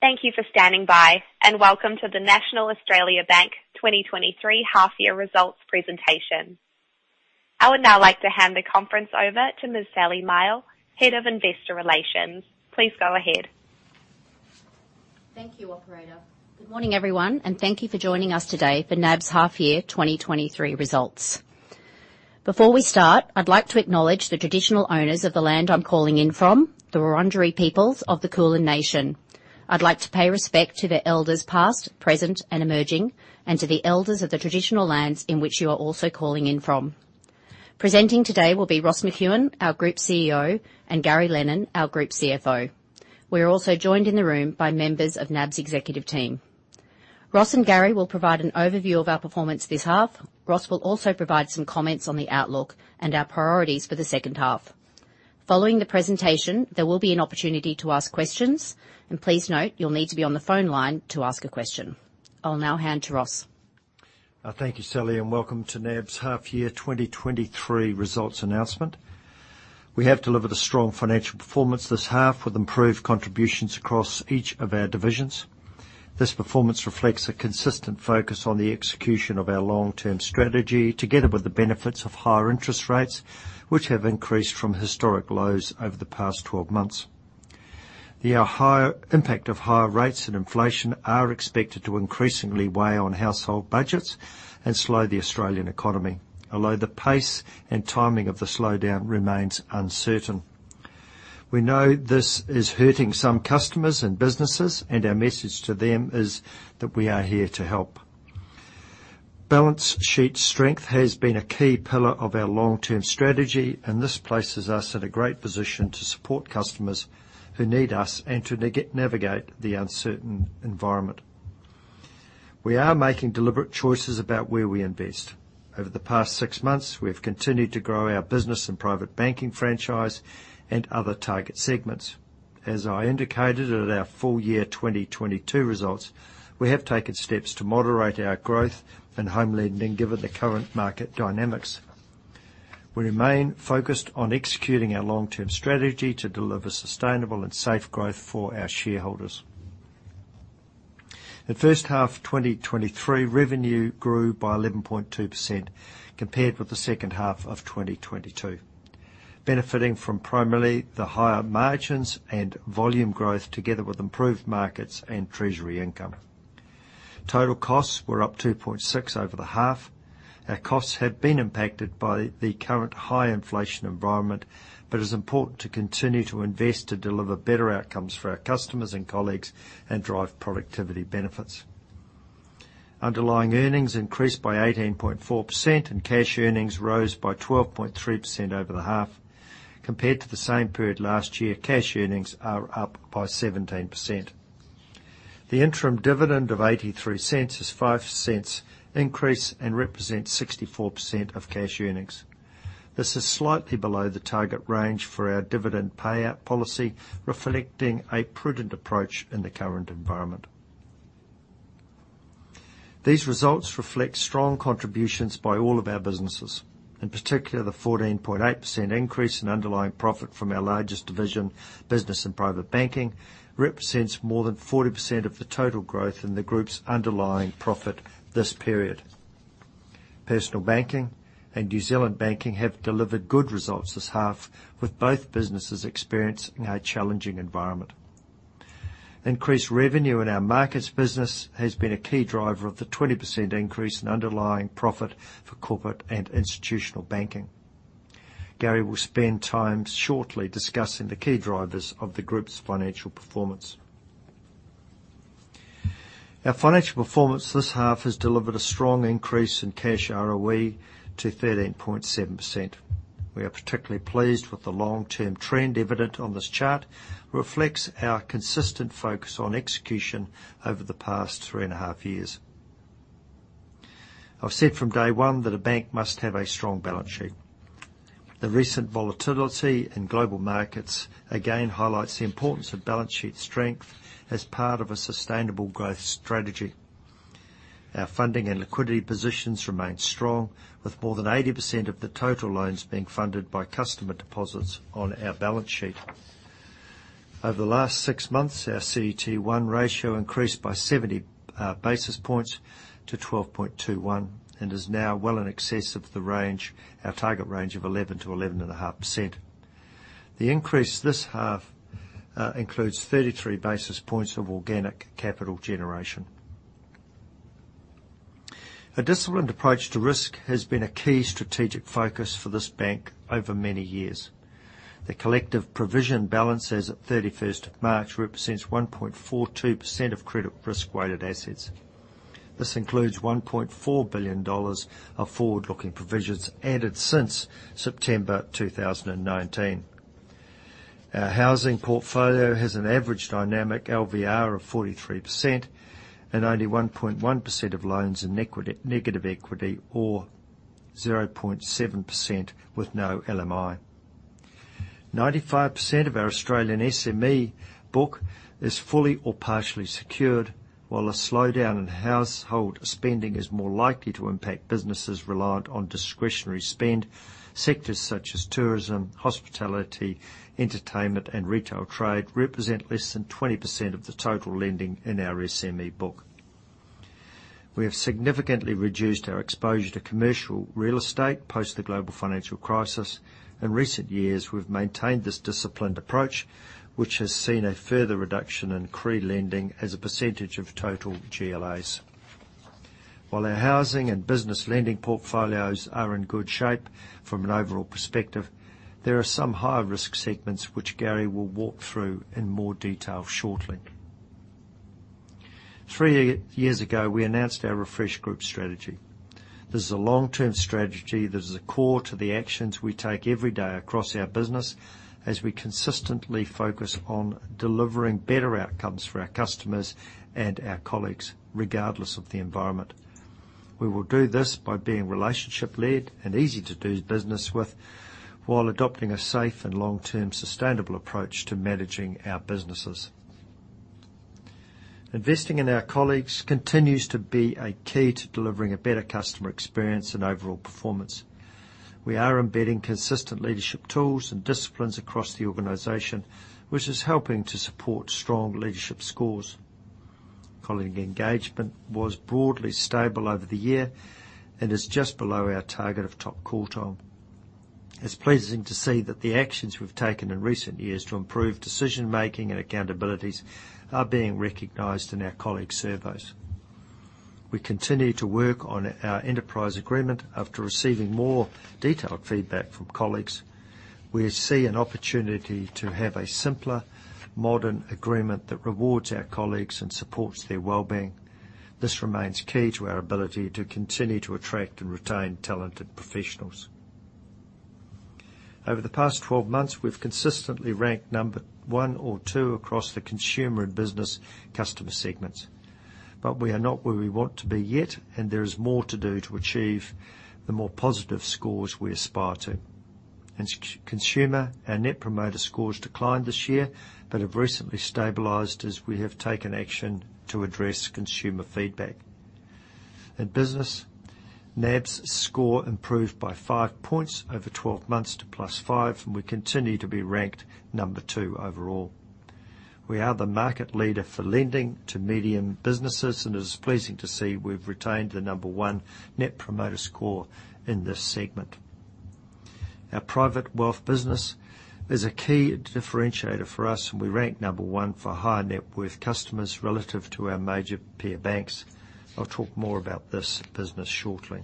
Thank you for standing by, and welcome to the National Australia Bank 2023 half-year results presentation. I would now like to hand the conference over to Ms. Sally Mihell, Head of Investor Relations. Please go ahead. Thank you, operator. Good morning, everyone. Thank you for joining us today for NAB's half-year 2023 results. Before we start, I'd like to acknowledge the traditional owners of the land I'm calling in from, the Wurundjeri peoples of the Kulin nation. I'd like to pay respect to the elders past, present, and emerging, and to the elders of the traditional lands in which you are also calling in from. Presenting today will be Ross McEwan, our Group CEO, and Gary Lennon, our Group CFO. We're also joined in the room by members of NAB's executive team. Ross and Gary will provide an overview of our performance this half. Ross will also provide some comments on the outlook and our priorities for the second half. Following the presentation, there will be an opportunity to ask questions, and please note you'll need to be on the phone line to ask a question. I'll now hand to Ross. Thank you, Sally, and welcome to NAB's half-year 2023 results announcement. We have delivered a strong financial performance this half with improved contributions across each of our divisions. This performance reflects a consistent focus on the execution of our long-term strategy, together with the benefits of higher interest rates, which have increased from historic lows over the past 12 months. The impact of higher rates and inflation are expected to increasingly weigh on household budgets and slow the Australian economy. Although the pace and timing of the slowdown remains uncertain. We know this is hurting some customers and businesses, and our message to them is that we are here to help. Balance sheet strength has been a key pillar of our long-term strategy, and this places us in a great position to support customers who need us and to navigate the uncertain environment. We are making deliberate choices about where we invest. Over the past six months, we have continued to grow our business and private banking franchise and other target segments. As I indicated at our full year 2022 results, we have taken steps to moderate our growth in home lending given the current market dynamics. We remain focused on executing our long-term strategy to deliver sustainable and safe growth for our shareholders. At first half 2023, revenue grew by 11.2% compared with the second half of 2022, benefiting from primarily the higher margins and volume growth together with improved markets and treasury income. Total costs were up 2.6% over the half. Our costs have been impacted by the current high inflation environment, but it's important to continue to invest to deliver better outcomes for our customers and colleagues and drive productivity benefits. Underlying earnings increased by 18.4%, and cash earnings rose by 12.3% over the half. Compared to the same period last year, cash earnings are up by 17%. The interim dividend of 0.83 is 0.05 increase and represents 64% of cash earnings. This is slightly below the target range for our dividend payout policy, reflecting a prudent approach in the current environment. These results reflect strong contributions by all of our businesses. In particular, the 14.8% increase in underlying profit from our largest division, Business and Private Banking, represents more than 40% of the total growth in the group's underlying profit this period. Personal Banking and New Zealand Banking have delivered good results this half, with both businesses experiencing a challenging environment. Increased revenue in our markets business has been a key driver of the 20% increase in underlying profit for Corporate and Institutional Banking. Gary will spend time shortly discussing the key drivers of the group's financial performance. Our financial performance this half has delivered a strong increase in cash ROE to 13.7%. We are particularly pleased with the long-term trend evident on this chart, reflects our consistent focus on execution over the past three and a half-years. I've said from day 1 that a bank must have a strong balance sheet. The recent volatility in global markets again highlights the importance of balance sheet strength as part of a sustainable growth strategy. Our funding and liquidity positions remain strong, with more than 80% of the total loans being funded by customer deposits on our balance sheet. Over the last six months, our CET1 ratio increased by 70 basis points to 12.21% and is now well in excess of the range, our target range of 11%-11.5%. The increase this half includes 33 basis points of organic capital generation. A disciplined approach to risk has been a key strategic focus for this bank over many years. The collective provision balance as of 31st of March represents 1.42% of credit risk-weighted assets. This includes 1.4 billion dollars of forward-looking provisions added since September 2019. Our housing portfolio has an average dynamic LVR of 43% and only 1.1% of loans in negative equity or 0.7% with no LMI. 95% of our Australian SME book is fully or partially secured. While a slowdown in household spending is more likely to impact businesses reliant on discretionary spend, sectors such as tourism, hospitality, entertainment, and retail trade represent less than 20% of the total lending in our SME book. We have significantly reduced our exposure to commercial real estate post the global financial crisis. In recent years, we've maintained this disciplined approach, which has seen a further reduction in CRE lending as a percentage of total GLAs. While our housing and business lending portfolios are in good shape from an overall perspective, there are some high-risk segments which Gary will walk through in more detail shortly. Three years ago, we announced our refresh group strategy. This is a long-term strategy that is a core to the actions we take every day across our business as we consistently focus on delivering better outcomes for our customers and our colleagues, regardless of the environment. We will do this by being relationship-led and easy to do business with while adopting a safe and long-term sustainable approach to managing our businesses. Investing in our colleagues continues to be a key to delivering a better customer experience and overall performance. We are embedding consistent leadership tools and disciplines across the organization, which is helping to support strong leadership scores. Colleague engagement was broadly stable over the year and is just below our target of top quartile. It's pleasing to see that the actions we've taken in recent years to improve decision-making and accountabilities are being recognized in our colleague surveys. We continue to work on our enterprise agreement after receiving more detailed feedback from colleagues. We see an opportunity to have a simpler, modern agreement that rewards our colleagues and supports their well-being. This remains key to our ability to continue to attract and retain talented professionals. Over the past 12 months, we've consistently ranked number one or two across the consumer and business customer segments. We are not where we want to be yet, and there is more to do to achieve the more positive scores we aspire to. In consumer, our net promoter scores declined this year but have recently stabilized as we have taken action to address consumer feedback. In business, NAB's score improved by 5 points over 12 months to +5. We continue to be ranked number two overall. We are the market leader for lending to medium businesses. It's pleasing to see we've retained the number one net promoter score in this segment. Our private wealth business is a key differentiator for us. We rank number one for high net worth customers relative to our major peer banks. I'll talk more about this business shortly.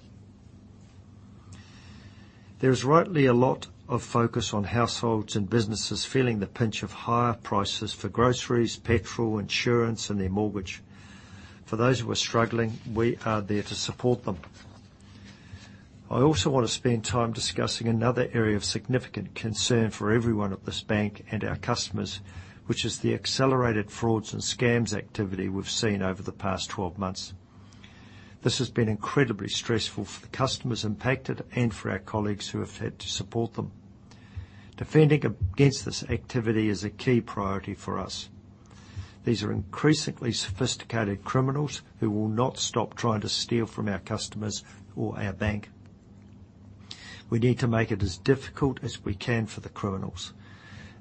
There's rightly a lot of focus on households and businesses feeling the pinch of higher prices for groceries, petrol, insurance, and their mortgage. For those who are struggling, we are there to support them. I also want to spend time discussing another area of significant concern for everyone at this bank and our customers, which is the accelerated frauds and scams activity we've seen over the past 12 months. This has been incredibly stressful for the customers impacted and for our colleagues who have had to support them. Defending against this activity is a key priority for us. These are increasingly sophisticated criminals who will not stop trying to steal from our customers or our bank. We need to make it as difficult as we can for the criminals.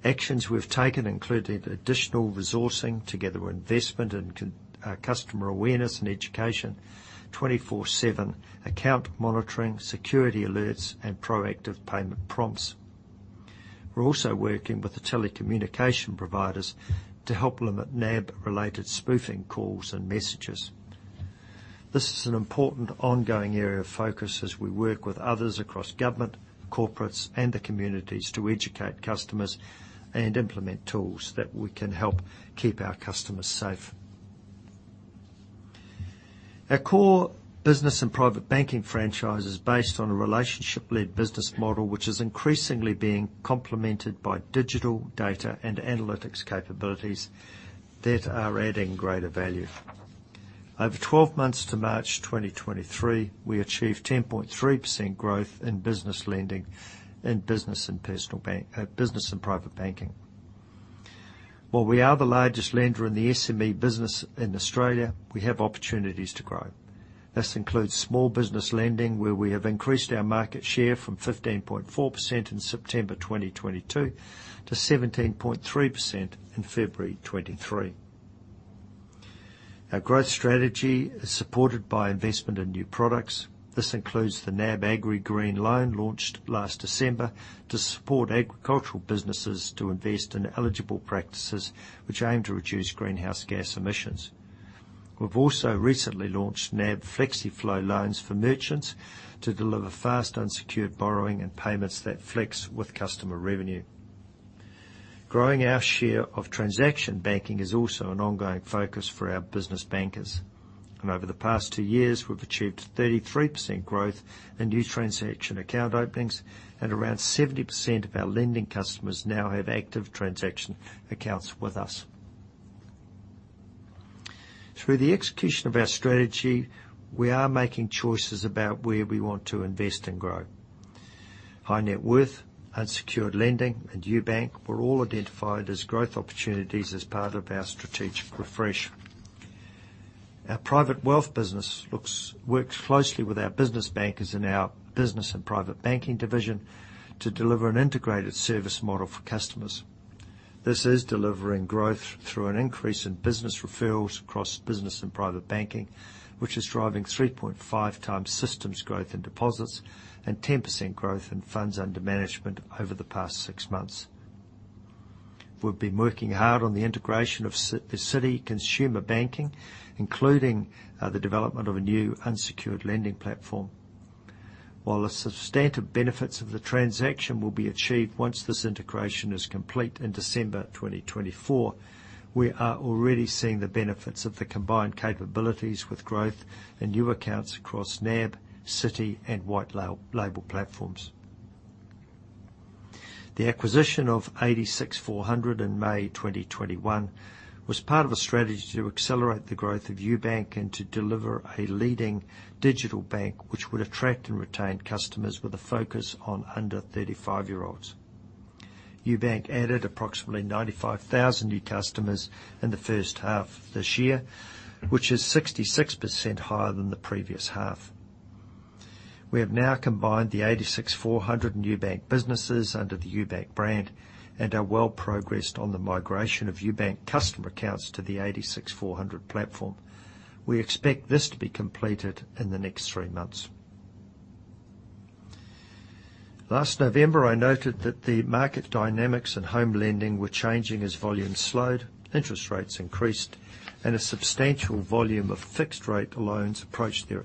Actions we've taken include additional resourcing together with investment in customer awareness and education, 24 seven account monitoring, security alerts, and proactive payment prompts. We're also working with the telecommunication providers to help limit NAB-related spoofing calls and messages. This is an important ongoing area of focus as we work with others across government, corporates, and the communities to educate customers and implement tools that we can help keep our customers safe. Our core business and private banking franchise is based on a relationship-led business model, which is increasingly being complemented by digital data and analytics capabilities that are adding greater value. Over 12 months to March 2023, we achieved 10.3% growth in business lending, in business and private banking. While we are the largest lender in the SME business in Australia, we have opportunities to grow. This includes small business lending, where we have increased our market share from 15.4% in September 2022 to 17.3% in February 2023. Our growth strategy is supported by investment in new products. This includes the NAB Agri Green Loan launched last December to support agricultural businesses to invest in eligible practices which aim to reduce greenhouse gas emissions. We've also recently launched NAB FlexiFlow loans for merchants to deliver fast unsecured borrowing and payments that flex with customer revenue. Growing our share of transaction banking is also an ongoing focus for our business bankers. Over the past two years, we've achieved 33% growth in new transaction account openings, and around 70% of our lending customers now have active transaction accounts with us. Through the execution of our strategy, we are making choices about where we want to invest and grow. High net worth, unsecured lending, and Ubank were all identified as growth opportunities as part of our strategic refresh. Our private wealth business works closely with our business bankers and our business and private banking division to deliver an integrated service model for customers. This is delivering growth through an increase in business referrals across business and private banking, which is driving 3.5x systems growth in deposits and 10% growth in funds under management over the past six months. We've been working hard on the integration of Citi consumer banking, including the development of a new unsecured lending platform. While the substantive benefits of the transaction will be achieved once this integration is complete in December 2024, we are already seeing the benefits of the combined capabilities with growth and new accounts across NAB, Citi, and white-label platforms. The acquisition of 86 400 in May 2021 was part of a strategy to accelerate the growth of Ubank and to deliver a leading digital bank which would attract and retain customers with a focus on under 35 year olds. Ubank added approximately 95,000 new customers in the first half of this year, which is 66% higher than the previous half. We have now combined the 86 400 and Ubank businesses under the Ubank brand and are well progressed on the migration of Ubank customer accounts to the 86 400 platform. We expect this to be completed in the next three months. Last November, I noted that the market dynamics and home lending were changing as volumes slowed, interest rates increased, and a substantial volume of fixed rate loans approached their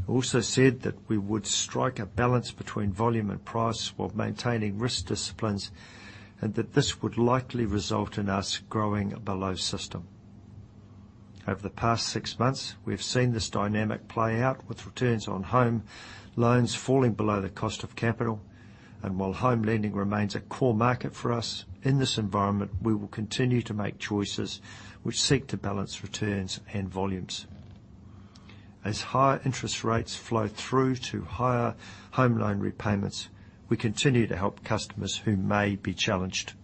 expiry. I also said that we would strike a balance between volume and price while maintaining risk disciplines, and that this would likely result in us growing below system. Over the past six months, we've seen this dynamic play out with returns on home loans falling below the cost of capital. While home lending remains a core market for us, in this environment, we will continue to make choices which seek to balance returns and volumes. As higher interest rates flow through to higher home loan repayments, we continue to help customers who may be challenged.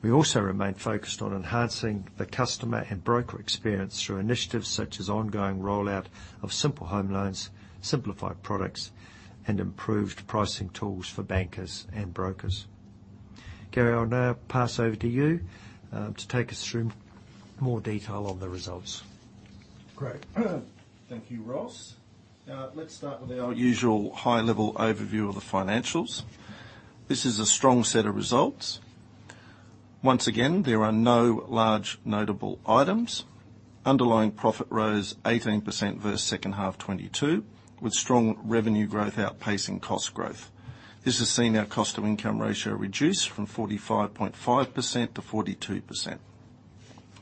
We also remain focused on enhancing the customer and broker experience through initiatives such as ongoing rollout of Simple Home Loans, simplified products, and improved pricing tools for bankers and brokers. Gary, I'll now pass over to you, to take us through more detail on the results. Great. Thank you, Ross. Let's start with our usual high-level overview of the financials. This is a strong set of results. Once again, there are no large notable items. Underlying profit rose 18% versus second half 2022, with strong revenue growth outpacing cost growth. This has seen our cost to income ratio reduce from 45.5% to 42%.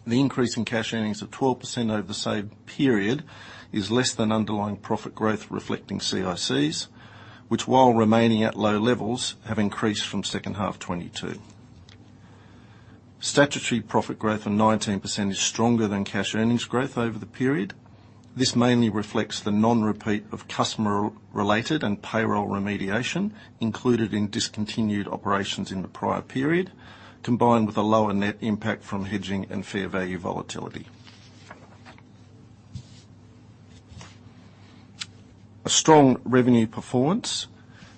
The increase in cash earnings of 12% over the same period is less than underlying profit growth reflecting CICs, which while remaining at low levels, have increased from second half 2022. Statutory profit growth of 19% is stronger than cash earnings growth over the period. This mainly reflects the non-repeat of customer re-related and payroll remediation included in discontinued operations in the prior period, combined with a lower net impact from hedging and fair value volatility. A strong revenue performance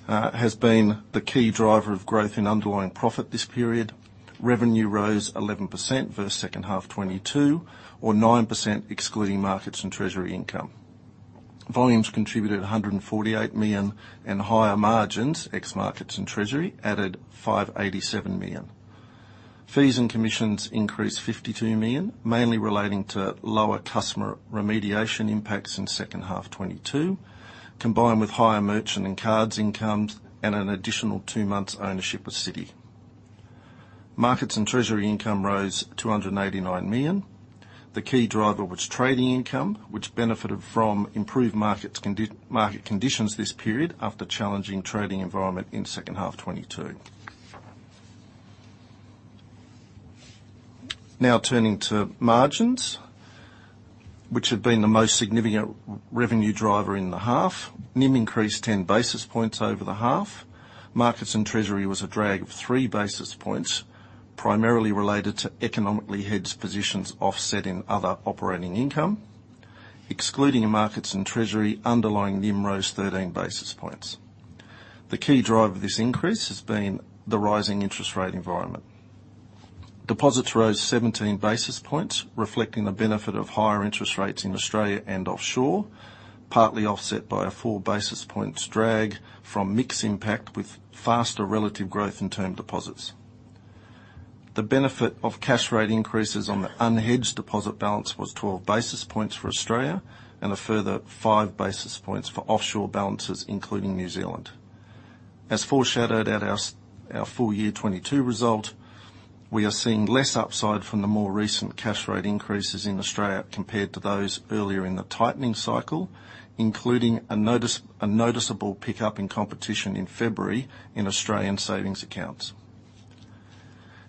has been the key driver of growth in underlying profit this period. Revenue rose 11% versus second half 2022 or 9% excluding markets and treasury income. Volumes contributed 148 million, and higher margins, ex markets and treasury, added 587 million. Fees and commissions increased 52 million, mainly relating to lower customer remediation impacts in second half 2022, combined with higher merchant and cards incomes and an additional two months ownership of Citi. Markets and treasury income rose to 189 million. The key driver was trading income, which benefited from improved market conditions this period after challenging trading environment in second half 2022. Turning to margins, which have been the most significant revenue driver in the half. NIM increased 10 basis points over the half. Markets and treasury was a drag of 3 basis points, primarily related to economically hedged positions offset in other operating income. Excluding markets and treasury, underlying NIM rose 13 basis points. The key driver of this increase has been the rising interest rate environment. Deposits rose 17 basis points, reflecting the benefit of higher interest rates in Australia and offshore, partly offset by a 4 basis points drag from mix impact with faster relative growth in term deposits. The benefit of cash rate increases on the unhedged deposit balance was 12 basis points for Australia and a further 5 basis points for offshore balances, including New Zealand. As foreshadowed at our full year 2022 result, we are seeing less upside from the more recent cash rate increases in Australia compared to those earlier in the tightening cycle, including a noticeable pickup in competition in February in Australian savings accounts.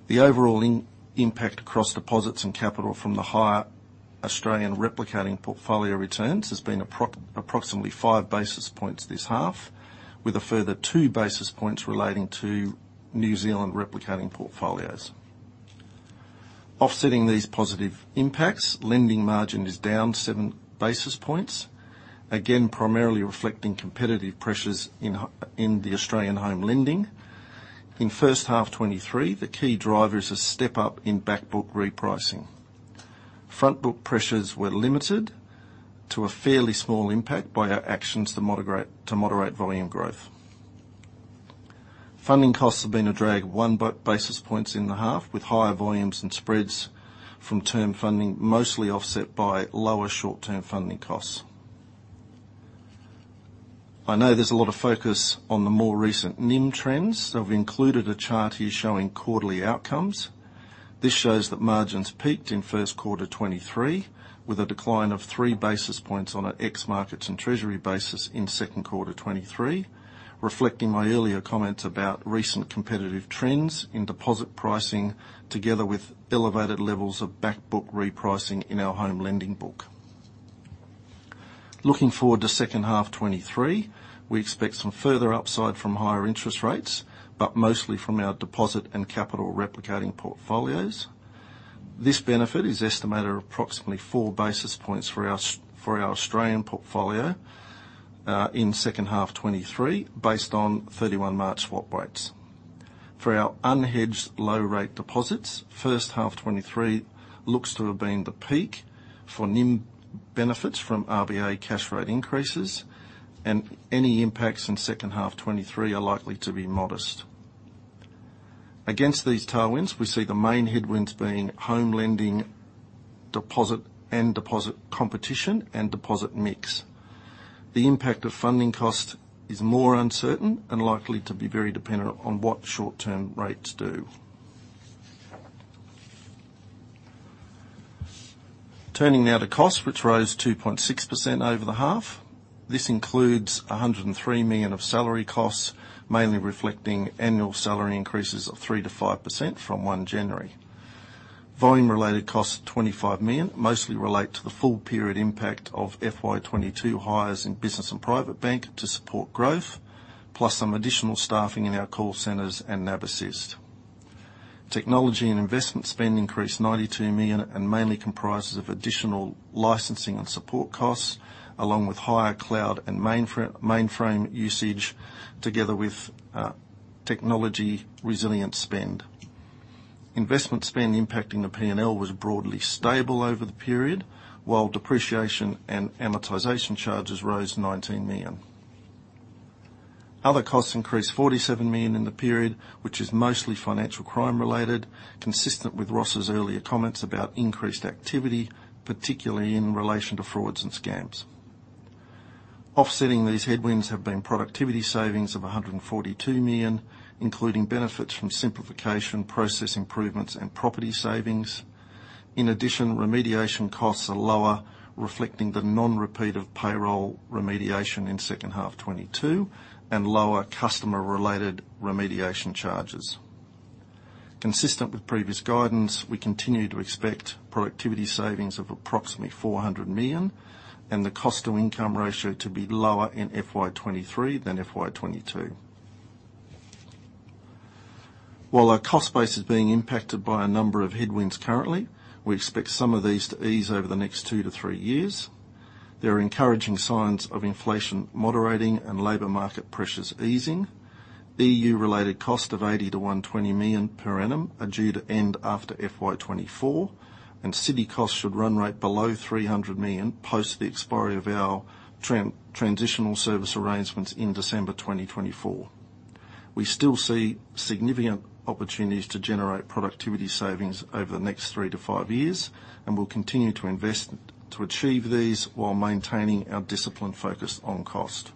The overall impact across deposits and capital from the higher Australian replicating portfolio returns has been approximately 5 basis points this half, with a further 2 basis points relating to New Zealand replicating portfolios. Offsetting these positive impacts, lending margin is down 7 basis points, again, primarily reflecting competitive pressures in the Australian home lending. In first half 2023, the key driver is a step up in back book re-pricing. Front book pressures were limited to a fairly small impact by our actions to moderate volume growth. Funding costs have been a drag of 1 basis points in the half, with higher volumes and spreads from term funding, mostly offset by lower short-term funding costs. I've included a chart here showing quarterly outcomes. This shows that margins peaked in 1Q 2023, with a decline of 3 basis points on an ex markets and treasury basis in 2Q 2023, reflecting my earlier comments about recent competitive trends in deposit pricing, together with elevated levels of back book re-pricing in our home lending book. Looking forward to 2H 2023, we expect some further upside from higher interest rates, mostly from our deposit and capital replicating portfolios. This benefit is estimated at approximately 4 basis points for our Australian portfolio in second half 2023, based on March 31 swap rates. For our unhedged low rate deposits, first half 2023 looks to have been the peak for NIM benefits from RBA cash rate increases, and any impacts in second half 2023 are likely to be modest. Against these tailwinds, we see the main headwinds being home lending deposit and deposit competition and deposit mix. The impact of funding cost is more uncertain and likely to be very dependent on what short-term rates do. Turning now to cost, which rose 2.6% over the half. This includes 103 million of salary costs, mainly reflecting annual salary increases of 3%-5% from January 1. Volume-related costs of 25 million mostly relate to the full period impact of FY22 hires in business and private bank to support growth, plus some additional staffing in our call centers and NABAssist. Technology and investment spend increased 92 million and mainly comprises of additional licensing and support costs, along with higher cloud and mainframe usage together with technology resilience spend. Investment spend impacting the P&L was broadly stable over the period, while depreciation and amortization charges rose 19 million. Other costs increased 47 million in the period, which is mostly financial crime-related, consistent with Ross's earlier comments about increased activity, particularly in relation to frauds and scams. Offsetting these headwinds have been productivity savings of 142 million, including benefits from simplification, process improvements, and property savings. In addition, remediation costs are lower, reflecting the non-repeat of payroll remediation in second half 2023, and lower customer-related remediation charges. Consistent with previous guidance, we continue to expect productivity savings of approximately 400 million, and the cost to income ratio to be lower in FY23 than FY22. While our cost base is being impacted by a number of headwinds currently, we expect some of these to ease over the next two to three years. There are encouraging signs of inflation moderating and labor market pressures easing. EU-related costs of 80 million-120 million per annum are due to end after FY24, and Citi costs should run right below 300 million post the expiry of our transitional service arrangements in December 2024. We still see significant opportunities to generate productivity savings over the next three to five years, and we'll continue to invest to achieve these while maintaining our disciplined focus on cost.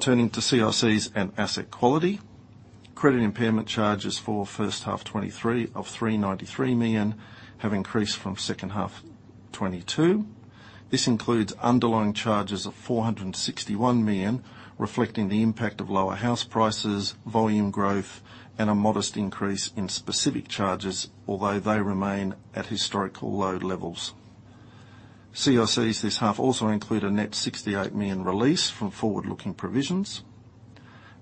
Turning to CICs and asset quality. Credit impairment charges for first half 2023 of 393 million have increased from second half 2022. This includes underlying charges of 461 million, reflecting the impact of lower house prices, volume growth, and a modest increase in specific charges, although they remain at historical low levels. CICs this half also include a net 68 million release from forward-looking provisions.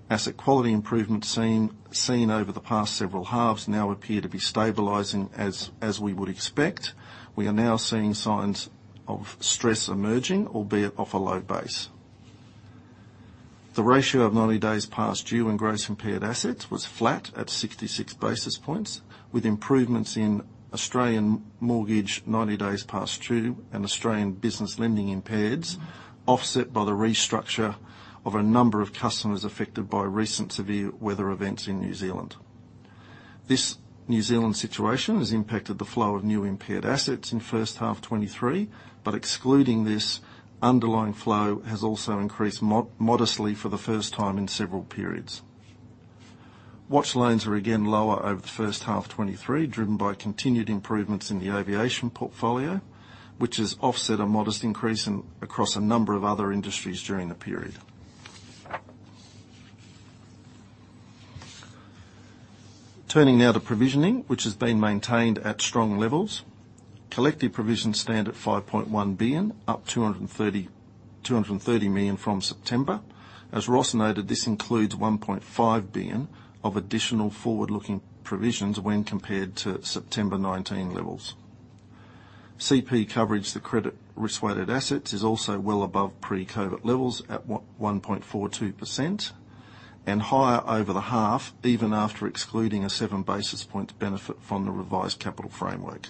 Asset quality improvements seen over the past several halves now appear to be stabilizing as we would expect. We are now seeing signs of stress emerging, albeit off a low base. The ratio of 90 days past due in gross impaired assets was flat at 66 basis points, with improvements in Australian mortgage 90 days past due and Australian business lending impaired, offset by the restructure of a number of customers affected by recent severe weather events in New Zealand. This New Zealand situation has impacted the flow of new impaired assets in first half 2023, excluding this, underlying flow has also increased modestly for the first time in several periods. Watch loans are again lower over the first half 2023, driven by continued improvements in the aviation portfolio, which has offset a modest increase in, across a number of other industries during the period. Turning now to provisioning, which has been maintained at strong levels. Collective provisions stand at 5.1 billion, up 230 million from September. As Ross noted, this includes 1.5 billion of additional forward-looking provisions when compared to September 2019 levels. CP coverage, the credit risk-weighted assets is also well above pre-COVID levels at 1.42% and higher over the half, even after excluding a 7 basis point benefit from the revised capital framework.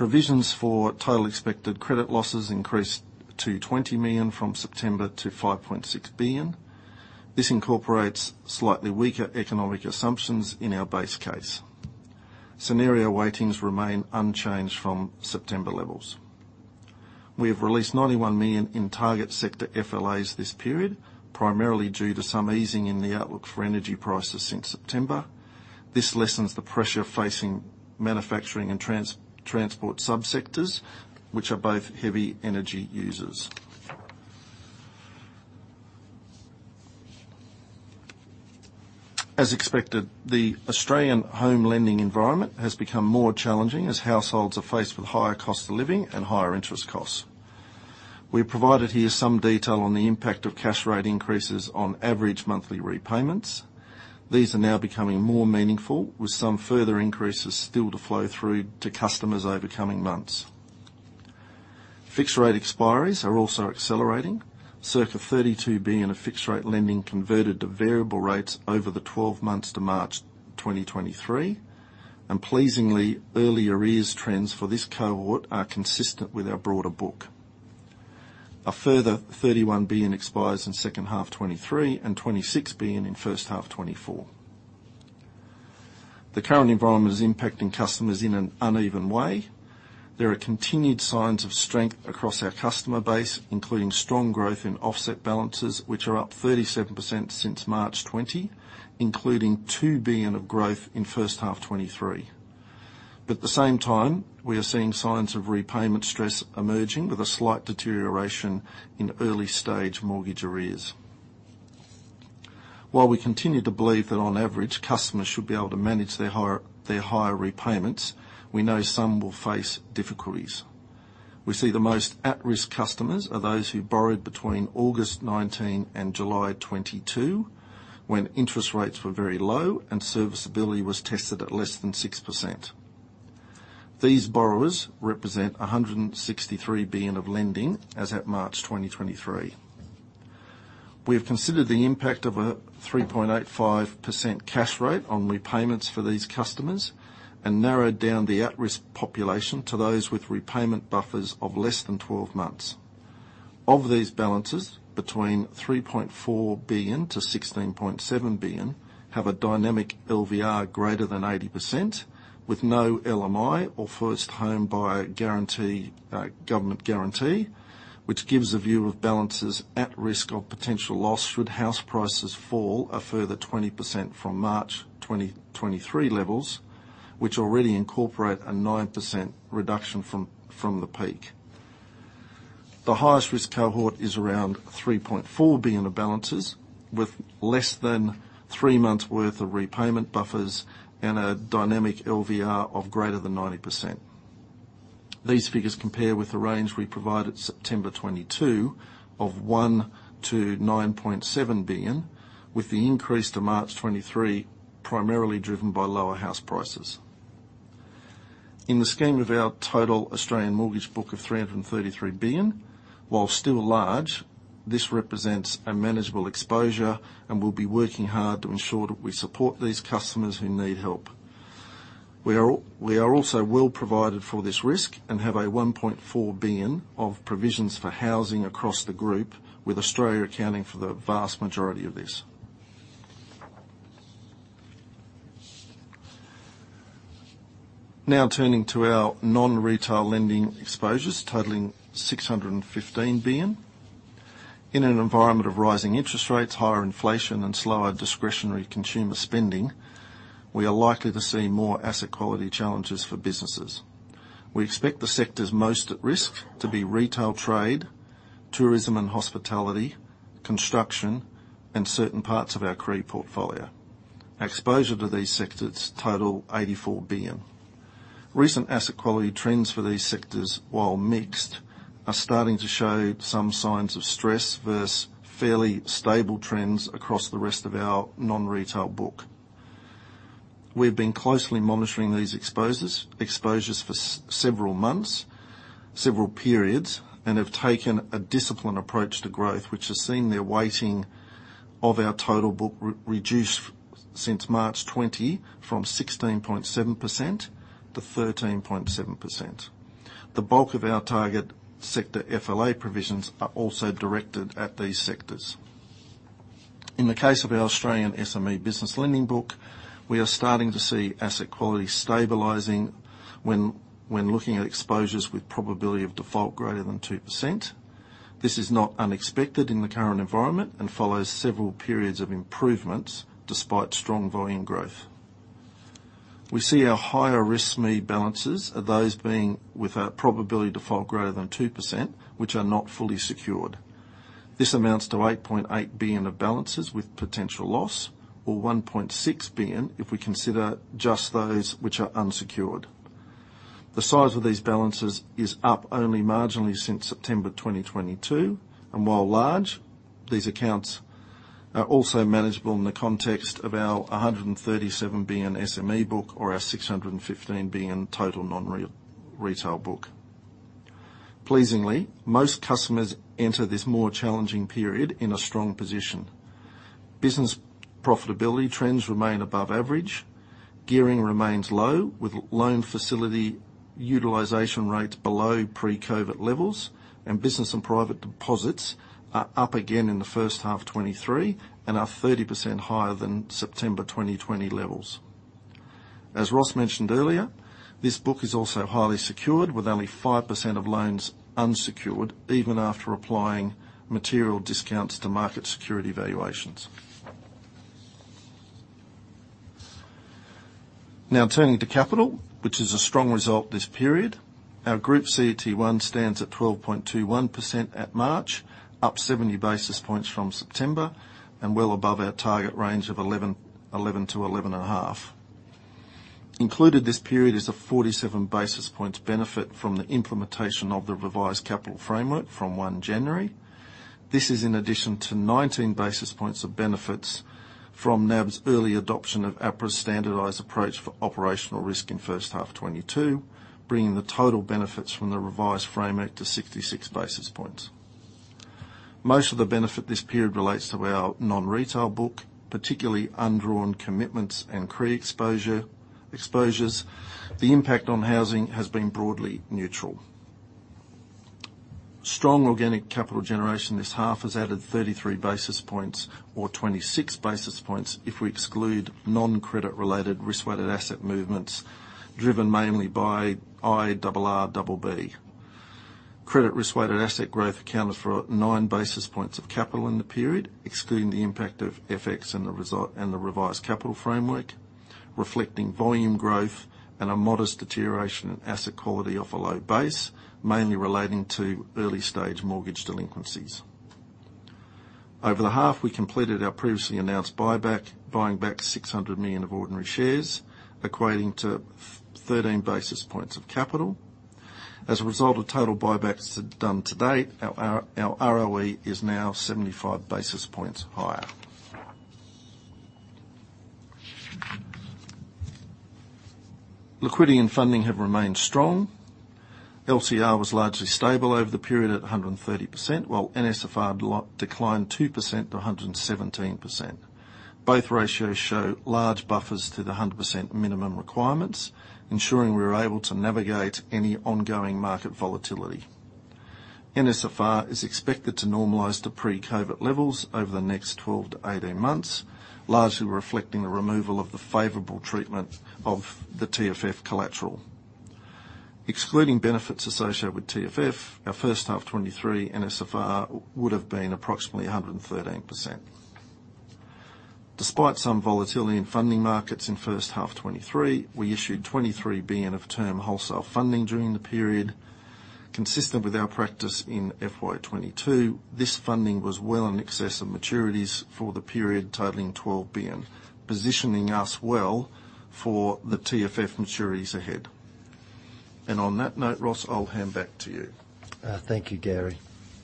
Provisions for total expected credit losses increased to 20 million from September to 5.6 billion. This incorporates slightly weaker economic assumptions in our base case. Scenario weightings remain unchanged from September levels. We have released 91 million in target sector FLAs this period, primarily due to some easing in the outlook for energy prices since September. This lessens the pressure facing manufacturing and transport subsectors, which are both heavy energy users. As expected, the Australian home lending environment has become more challenging as households are faced with higher cost of living and higher interest costs. We have provided here some detail on the impact of cash rate increases on average monthly repayments. These are now becoming more meaningful, with some further increases still to flow through to customers over coming months. Fixed rate expiries are also accelerating. Circa 32 billion of fixed rate lending converted to variable rates over the 12 months to March 2023. Pleasingly, early arrears trends for this cohort are consistent with our broader book. A further 31 billion expires in second half 2023 and 26 billion in first half 2024. The current environment is impacting customers in an uneven way. There are continued signs of strength across our customer base, including strong growth in offset balances, which are up 37% since March 20, including 2 billion of growth in first half 2023. At the same time, we are seeing signs of repayment stress emerging with a slight deterioration in early stage mortgage arrears. We continue to believe that on average, customers should be able to manage their higher repayments, we know some will face difficulties. We see the most at-risk customers are those who borrowed between August 2019 and July 2022, when interest rates were very low and serviceability was tested at less than 6%. These borrowers represent 163 billion of lending as at March 2023. We have considered the impact of a 3.85% cash rate on repayments for these customers and narrowed down the at-risk population to those with repayment buffers of less than 12 months. Of these balances, between 3.4 billion-16.7 billion have a dynamic LVR greater than 80% with no LMI or first home buyer guarantee, government guarantee, which gives a view of balances at risk of potential loss should house prices fall a further 20% from March 2023 levels, which already incorporate a 9% reduction from the peak. The highest risk cohort is around 3.4 billion of balances with less than three months worth of repayment buffers and a dynamic LVR of greater than 90%. These figures compare with the range we provided September 2022 of 1 billion-9.7 billion, with the increase to March 2023, primarily driven by lower house prices. In the scheme of our total Australian mortgage book of 333 billion, while still large, this represents a manageable exposure and we'll be working hard to ensure that we support these customers who need help. We are also well provided for this risk and have a 1.4 billion of provisions for housing across the group, with Australia accounting for the vast majority of this. Turning to our non-retail lending exposures totaling 615 billion. In an environment of rising interest rates, higher inflation, and slower discretionary consumer spending, we are likely to see more asset quality challenges for businesses. We expect the sectors most at risk to be retail trade, tourism and hospitality, construction, and certain parts of our CRE portfolio. Exposure to these sectors total AUD 84 billion. Recent asset quality trends for these sectors, while mixed, are starting to show some signs of stress versus fairly stable trends across the rest of our non-retail book. We've been closely monitoring these exposures for several months, several periods, and have taken a disciplined approach to growth, which has seen their weighting of our total book re-reduce since March 20, from 16.7% to 13.7%. The bulk of our target sector FLA provisions are also directed at these sectors. In the case of our Australian SME business lending book, we are starting to see asset quality stabilizing when looking at exposures with probability default greater than 2%. This is not unexpected in the current environment and follows several periods of improvements despite strong volume growth. We see our higher risk SME balances are those being with our probability default greater than 2% which are not fully secured. This amounts to 8.8 billion of balances with potential loss, or 1.6 billion if we consider just those which are unsecured. The size of these balances is up only marginally since September 2022, and while large, these accounts are also manageable in the context of our 137 billion SME book or our 615 billion in total non-retail book. Pleasingly, most customers enter this more challenging period in a strong position. Business profitability trends remain above average. Gearing remains low, with loan facility utilization rates below pre-COVID levels, and business and private deposits are up again in the first half 2023 and are 30% higher than September 2020 levels. As Ross mentioned earlier, this book is also highly secured with only 5% of loans unsecured even after applying material discounts to market security valuations. Now turning to capital, which is a strong result this period. Our Group CET1 stands at 12.21% at March, up 70 basis points from September, and well above our target range of 11-11.5%. Included this period is a 47 basis points benefit from the implementation of the revised capital framework from 1 January. This is in addition to 19 basis points of benefits from NAB's early adoption of APRA's standardized approach for operational risk in 1H 2022, bringing the total benefits from the revised framework to 66 basis points. Most of the benefit this period relates to our non-retail book, particularly undrawn commitments and pre-exposure, exposures. The impact on housing has been broadly neutral. Strong organic capital generation this half has added 33 basis points or 26 basis points if we exclude non-credit related risk-weighted asset movements, driven mainly by IRRBB. Credit risk-weighted asset growth accounted for 9 basis points of capital in the period, excluding the impact of FX and the revised capital framework, reflecting volume growth and a modest deterioration in asset quality off a low base, mainly relating to early stage mortgage delinquencies. Over the half, we completed our previously announced buyback, buying back 600 million of ordinary shares, equating to 13 basis points of capital. As a result of total buybacks done to date, our ROE is now 75 basis points higher. Liquidity and funding have remained strong. LCR was largely stable over the period at 130%, while NSFR declined 2% to 117%. Both ratios show large buffers to the 100% minimum requirements, ensuring we're able to navigate any ongoing market volatility. NSFR is expected to normalize to pre-COVID levels over the next 12 to 18 months, largely reflecting the removal of the favorable treatment of the TFF collateral. Excluding benefits associated with TFF, our first half 2023 NSFR would have been approximately 113%. Despite some volatility in funding markets in first half 2023, we issued 23 billion of term wholesale funding during the period. Consistent with our practice in FY22, this funding was well in excess of maturities for the period totaling 12 billion, positioning us well for the TFF maturities ahead. On that note, Ross, I'll hand back to you. Thank you, Gary.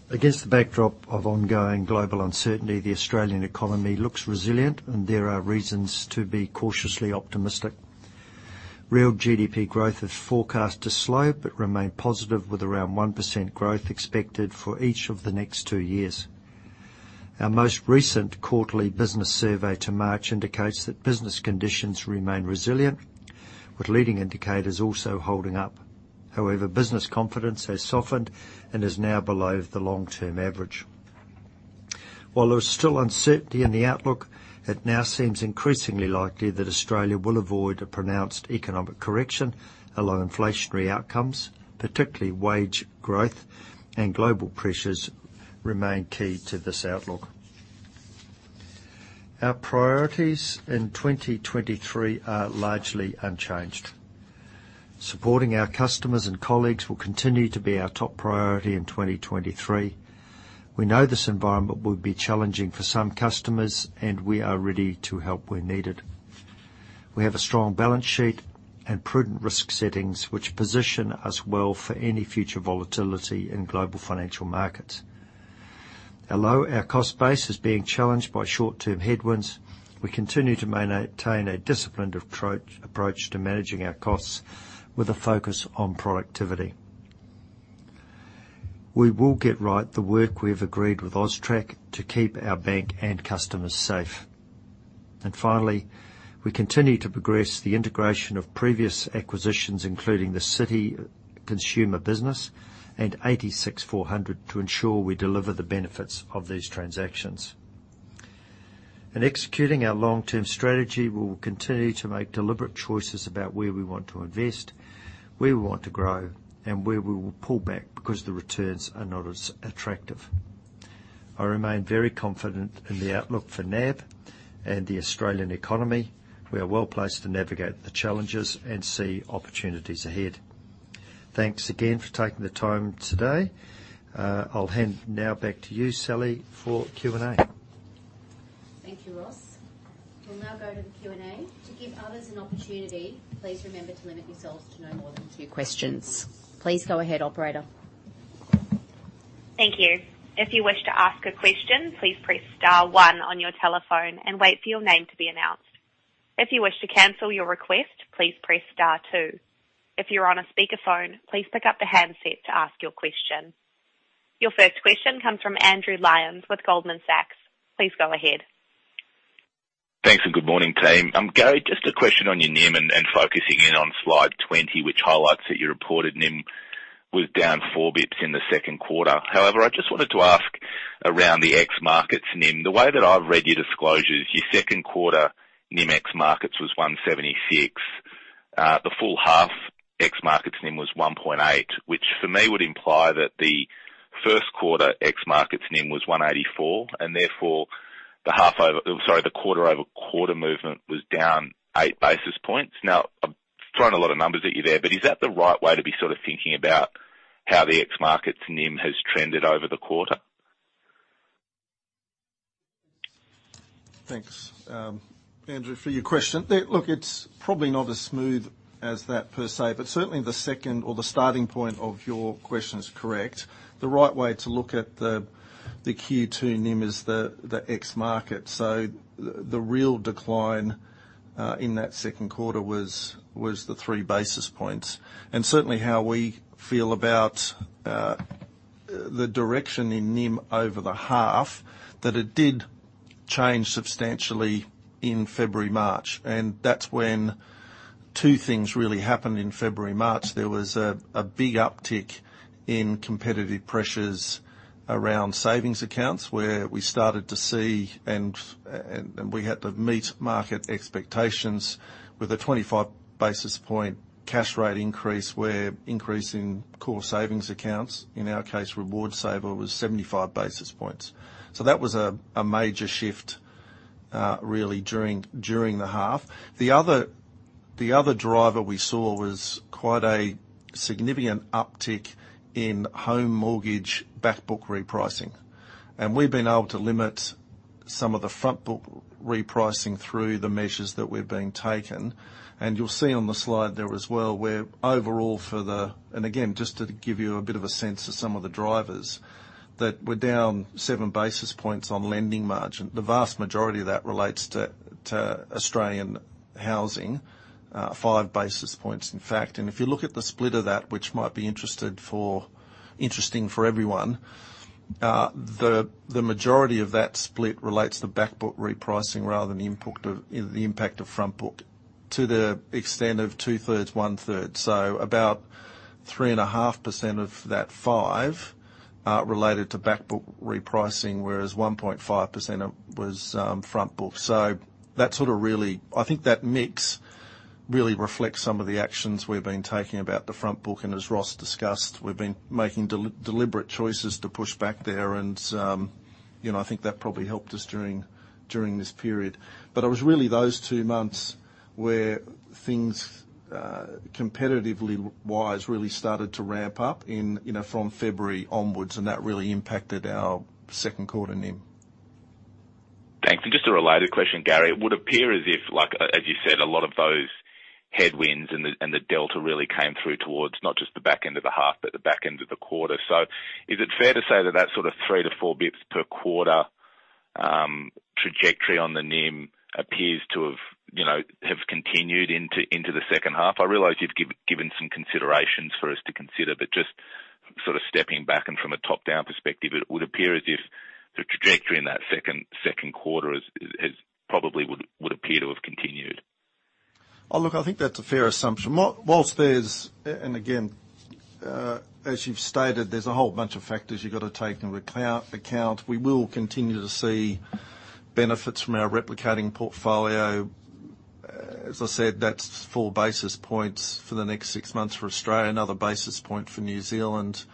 Against the backdrop of ongoing global uncertainty, the Australian economy looks resilient and there are reasons to be cautiously optimistic. Real GDP growth is forecast to slow but remain positive, with around 1% growth expected for each of the next two years. Our most recent quarterly business survey to March indicates that business conditions remain resilient, with leading indicators also holding up. Business confidence has softened and is now below the long-term average. While there is still uncertainty in the outlook, it now seems increasingly likely that Australia will avoid a pronounced economic correction. Inflationary outcomes, particularly wage growth and global pressures, remain key to this outlook. Our priorities in 2023 are largely unchanged. Supporting our customers and colleagues will continue to be our top priority in 2023. We know this environment will be challenging for some customers. We are ready to help where needed. We have a strong balance sheet and prudent risk settings which position us well for any future volatility in global financial markets. Although our cost base is being challenged by short-term headwinds, we continue to maintain a disciplined approach to managing our costs with a focus on productivity. We will get right the work we have agreed with AUSTRAC to keep our bank and customers safe. Finally, we continue to progress the integration of previous acquisitions, including the Citi consumer business and 86 400, to ensure we deliver the benefits of these transactions. In executing our long-term strategy, we will continue to make deliberate choices about where we want to invest, where we want to grow, and where we will pull back because the returns are not as attractive. I remain very confident in the outlook for NAB and the Australian economy. We are well-placed to navigate the challenges and see opportunities ahead. Thanks again for taking the time today. I'll hand now back to you, Sally, for Q&A. Thank you, Ross. We'll now go to the Q&A. To give others an opportunity, please remember to limit yourselves to no more than two questions. Please go ahead, operator. Thank you. If you wish to ask a question, please press star one on your telephone and wait for your name to be announced. If you wish to cancel your request, please press star two. If you're on a speakerphone, please pick up the handset to ask your question. Your first question comes from Andrew Lyons with Goldman Sachs. Please go ahead. Thanks. Good morning, team. Gary, just a question on your NIM and focusing in on Slide 20, which highlights that your reported NIM was down 4 basis points in the second quarter. However, I just wanted to ask around the ex markets NIM. The way that I've read your disclosures, your second quarter NIM ex markets was 176. The full half ex markets NIM was 1.8, which for me would imply that the first quarter ex markets NIM was 184, and therefore the quarter-over-quarter movement was down 8 basis points. Now, I'm throwing a lot of numbers at you there, but is that the right way to be sort of thinking about how the ex markets NIM has trended over the quarter? Thanks, Andrew, for your question. Look, it's probably not as smooth as that per se, but certainly the second or the starting point of your question is correct. The right way to look at the Q2 NIM is the ex-market. The real decline in that second quarter was 3 basis points. Certainly how we feel about the direction in NIM over the half, that it did change substantially in February, March, and that's when 2 things really happened in February, March. There was a big uptick in competitive pressures around savings accounts, where we started to see and we had to meet market expectations with a 25 basis point cash rate increase. We're increasing core savings accounts. In our case, Reward Saver was 75 basis points. That was a major shift really during the half. The other driver we saw was quite a significant uptick in home mortgage backbook repricing. We've been able to limit some of the frontbook repricing through the measures that we've been taking. You'll see on the slide there as well, where overall for the, again, just to give you a bit of a sense of some of the drivers, that we're down 7 basis points on lending margin. The vast majority of that relates to Australian housing, 5 basis points, in fact. If you look at the split of that, which might be interesting for everyone, the majority of that split relates to backbook repricing rather than the impact of frontbook to the extent of 2/3, 1/3. About 3.5% of that five related to backbook repricing, whereas 1.5% was frontbook. I think that mix really reflects some of the actions we've been taking about the frontbook, and as Ross discussed, we've been making deliberate choices to push back there. you know, I think that probably helped us during this period. It was really those two months where things competitively wise really started to ramp up in, you know, from February onwards, and that really impacted our second quarter NIM. Thanks. Just a related question, Gary. It would appear as if, like, as you said, a lot of those headwinds and the delta really came through towards not just the back end of the half, but the back end of the quarter. Is it fair to say that that sort of 3 to 4 basis points per quarter trajectory on the NIM appears to have, you know, continued into the second half? I realize you've given some considerations for us to consider, but just sort of stepping back and from a top-down perspective, it would appear as if the trajectory in that second quarter probably would appear to have continued. Look, I think that's a fair assumption. Whilst there's, as you've stated, there's a whole bunch of factors you've got to take into account. We will continue to see benefits from our replicating portfolio. As I said, that's 4 basis points for the next six months for Australia, another 1 basis point for New Zealand.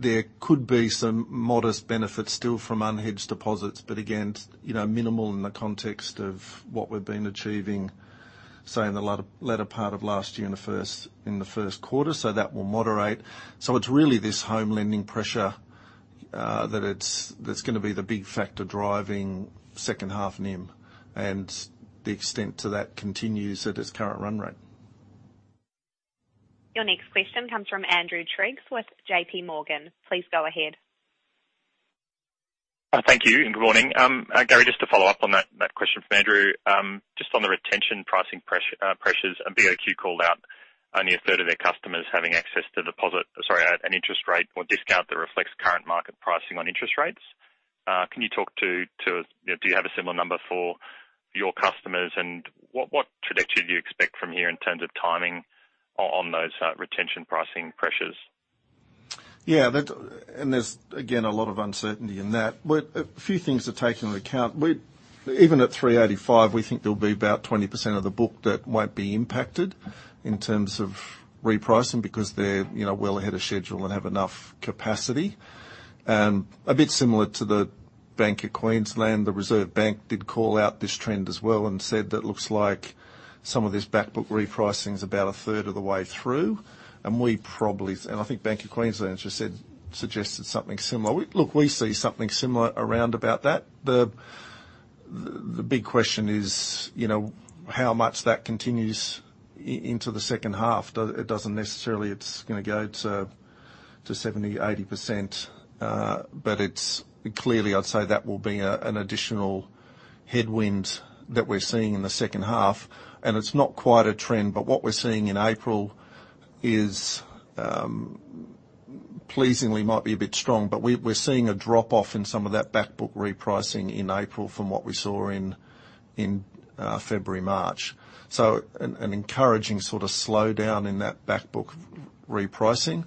There could be some modest benefits still from unhedged deposits, again, you know, minimal in the context of what we've been achieving, say, in the latter part of last year and in the first quarter. That will moderate. It's really this home lending pressure that's gonna be the big factor driving second half NIM, and the extent to that continues at its current run rate. Your next question comes from Andrew Triggs with J.P. Morgan. Please go ahead. Thank you, and good morning. Gary, just to follow up on that question from Andrew. Just on the retention pricing pressures. BOQ called out only a third of their customers having access to deposit. Sorry, an interest rate or discount that reflects current market pricing on interest rates. Can you talk to, you know, do you have a similar number for your customers? What trajectory do you expect from here in terms of timing on those retention pricing pressures? Yeah, there's again, a lot of uncertainty in that. A few things to take into account. Even at 385, we think there'll be about 20% of the book that won't be impacted in terms of repricing because they're, you know, well ahead of schedule and have enough capacity. A bit similar to the Bank of Queensland. The Reserve Bank did call out this trend as well and said that looks like some of this back book repricing is about a third of the way through. I think Bank of Queensland just said, suggested something similar. Look, we see something similar around about that. The big question is, you know, how much that continues into the second half. It doesn't necessarily it's gonna go to 70%, 80%. It's clearly I'd say that will be an additional headwind that we're seeing in the second half. It's not quite a trend. What we're seeing in April is, pleasingly might be a bit strong. We're seeing a drop off in some of that back book repricing in April from what we saw in February, March. An encouraging sort of slowdown in that back book repricing.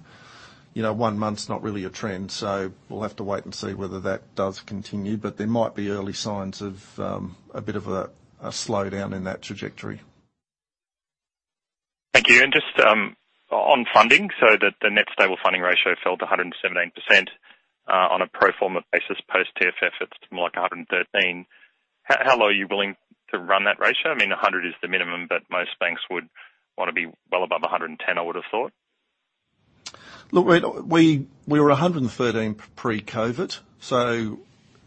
You know, one month's not really a trend, we'll have to wait and see whether that does continue. There might be early signs of a bit of a slowdown in that trajectory. Thank you. Just on funding, the net stable funding ratio fell to 117% on a pro forma basis, post TFF, it's more like 113%. How low are you willing to run that ratio? I mean, 100% is the minimum, but most banks would wanna be well above 110%, I would have thought. Look, we were 113 pre-COVID.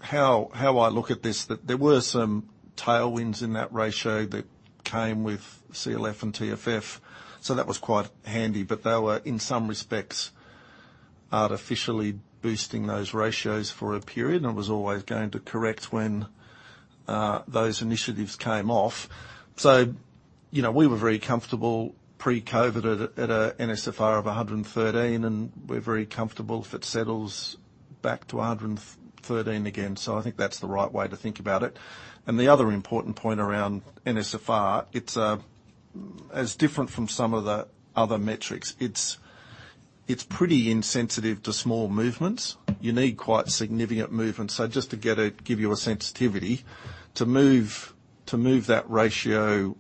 How I look at this, that there were some tailwinds in that ratio that came with CLF and TFF, so that was quite handy. They were, in some respects, artificially boosting those ratios for a period and was always going to correct when those initiatives came off. You know, we were very comfortable pre-COVID at a NSFR of 113, and we're very comfortable if it settles back to 113 again. I think that's the right way to think about it. The other important point around NSFR, it's as different from some of the other metrics. It's pretty insensitive to small movements. You need quite significant movement. Just to give you a sensitivity, to move that ratio,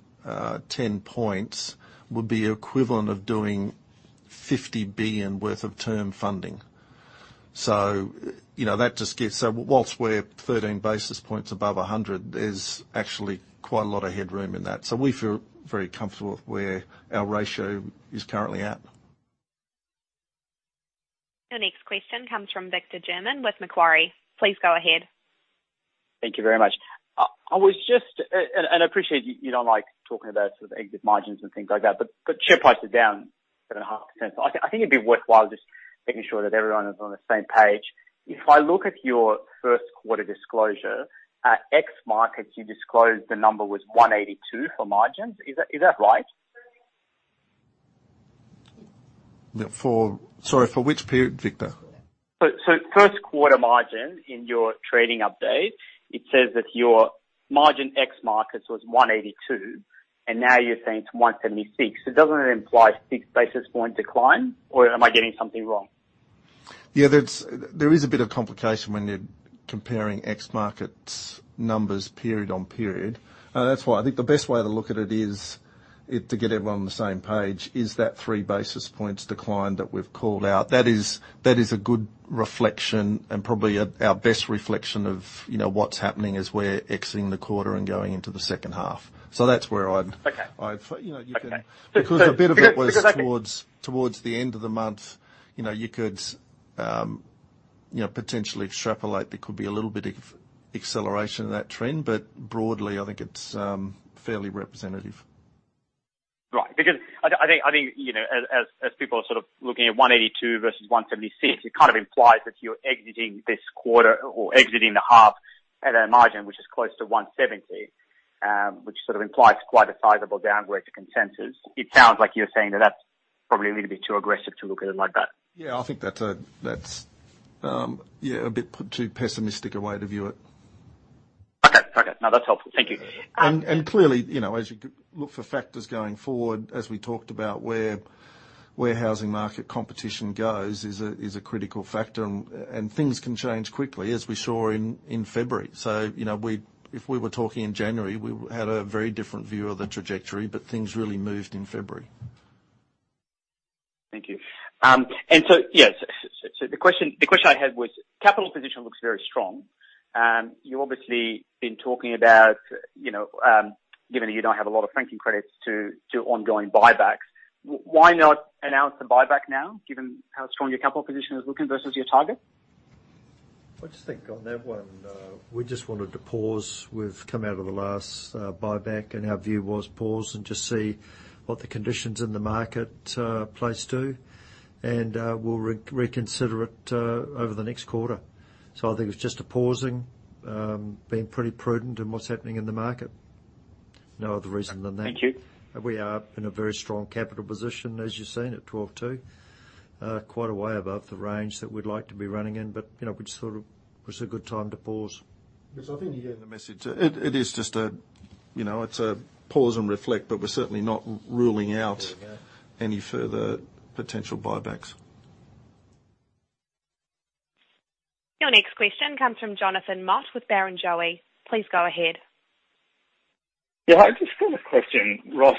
10 points would be equivalent of doing 50 billion worth of term funding. You know, that just gives. Whilst we're 13 basis points above 100, there's actually quite a lot of headroom in that. We feel very comfortable with where our ratio is currently at. Your next question comes from Victor German with Macquarie. Please go ahead. Thank you very much. I appreciate you don't like talking about sort of exit margins and things like that, but share price is down 7.5%. I think it'd be worthwhile just making sure that everyone is on the same page. If I look at your first quarter disclosure, at ex markets, you disclosed the number was 182 for margins. Is that right? Sorry, for which period, Victor? First quarter margin in your trading update, it says that your margin ex markets was 182, and now you're saying it's 176. Doesn't it imply 6 basis point decline, or am I getting something wrong? Yeah, there is a bit of complication when you're comparing ex markets numbers period on period. I think the best way to look at it is, to get everyone on the same page, is that 3 basis points decline that we've called out. That is a good reflection and probably our best reflection of, you know, what's happening as we're exiting the quarter and going into the second half. Okay. I'd, you know, you can. Okay. A bit of it was towards the end of the month. You know, you could, you know, potentially extrapolate. There could be a little bit of acceleration in that trend. Broadly, I think it's fairly representative. Right. I think, you know, as people are sort of looking at 182 versus 176, it kind of implies that you're exiting this quarter or exiting the half at a margin which is close to 170, which sort of implies quite a sizable downward to consensus. It sounds like you're saying that that's probably a little bit too aggressive to look at it like that. I think that's a, yeah, a bit too pessimistic a way to view it. Okay. No, that's helpful. Thank you. Clearly, you know, as you look for factors going forward, as we talked about, where warehousing market competition goes is a critical factor, and things can change quickly, as we saw in February. You know, if we were talking in January, we had a very different view of the trajectory, but things really moved in February. Thank you. Yes, so the question I had was capital position looks very strong. You obviously been talking about, you know, given that you don't have a lot of franking credits to do ongoing buybacks, why not announce the buyback now, given how strong your capital position is looking versus your target? I just think on that one, we just wanted to pause. We've come out of the last buyback. Our view was pause and just see what the conditions in the market place do. We'll reconsider it over the next quarter. I think it's just a pausing, being pretty prudent in what's happening in the market. No other reason than that. Thank you. We are in a very strong capital position, as you've seen, at 12.2%. Quite a way above the range that we'd like to be running in, but, you know, we just thought it was a good time to pause. Which I think you're getting the message. It is just a, you know, it's a pause and reflect, but we're certainly not ruling out any further potential buybacks. Your next question comes from Jonathan Mott with Barrenjoey. Please go ahead. Yeah. I just got a question, Ross.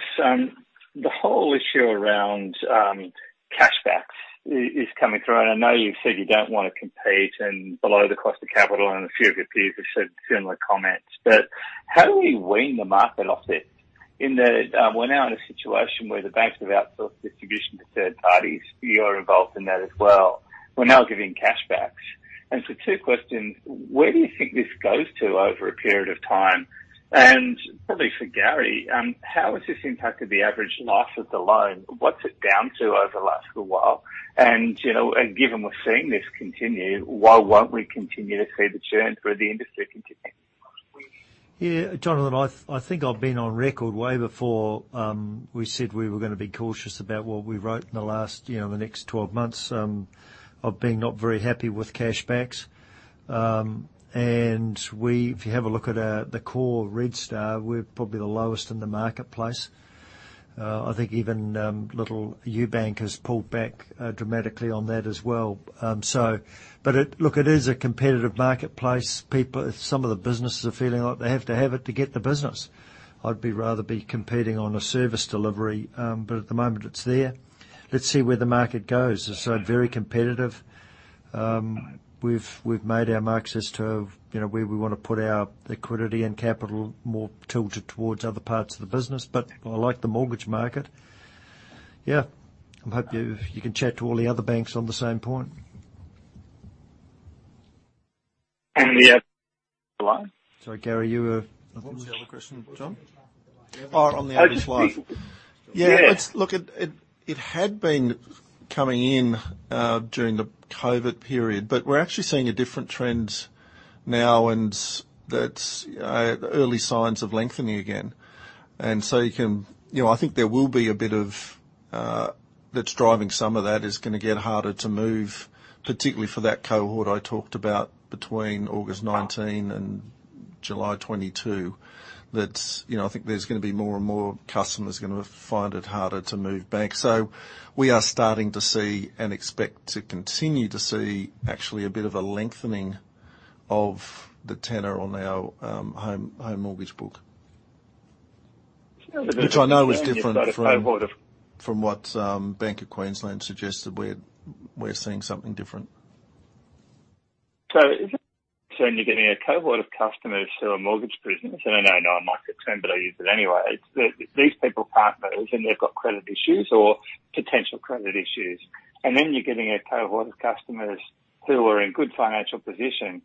The whole issue around cashbacks is coming through, and I know you've said you don't wanna compete and below the cost of capital, and a few of your peers have said similar comments. How do we wean the market off this? In that, we're now in a situation where the banks have outsourced distribution to third parties. You're involved in that as well. We're now giving cashbacks. Two questions, where do you think this goes to over a period of time? Probably for Gary, how has this impacted the average life of the loan? What's it down to over the last little while? You know, and given we're seeing this continue, why won't we continue to see the churn for the industry continue? Yeah. Jonathan, I think I've been on record way before we said we were gonna be cautious about what we wrote in the last, you know, the next 12 months, of being not very happy with cashbacks. If you have a look at the core Red Star, we're probably the lowest in the marketplace. I think even little Ubank has pulled back dramatically on that as well. Look, it is a competitive marketplace. Some of the businesses are feeling like they have to have it to get the business. I'd be rather be competing on a service delivery. At the moment it's there. Let's see where the market goes. It's very competitive. We've made our marks as to, you know, where we wanna put our liquidity and capital more tilted towards other parts of the business. I like the mortgage market. Yeah. I hope you can chat to all the other banks on the same point. The loan? Sorry, Gary, you. I think he's got a question, John. Oh, on the average life. Yeah. Yeah. It's, Look, it had been coming in during the COVID period. We're actually seeing a different trend now, and that's early signs of lengthening again. You know, I think there will be a bit of that's driving some of that is gonna get harder to move, particularly for that cohort I talked about between August 19 and July 22, that, you know, I think there's gonna be more and more customers gonna find it harder to move banks. We are starting to see and expect to continue to see actually a bit of a lengthening of the tenor on our home mortgage book. Which I know is different from. You've got a cohort. From what, Bank of Queensland suggested, we're seeing something different. You're getting a cohort of customers who are mortgage prisoners, and I know, not my concern, but I use it anyway. It's the, these people can't move and they've got credit issues or potential credit issues, and then you're getting a cohort of customers who are in good financial position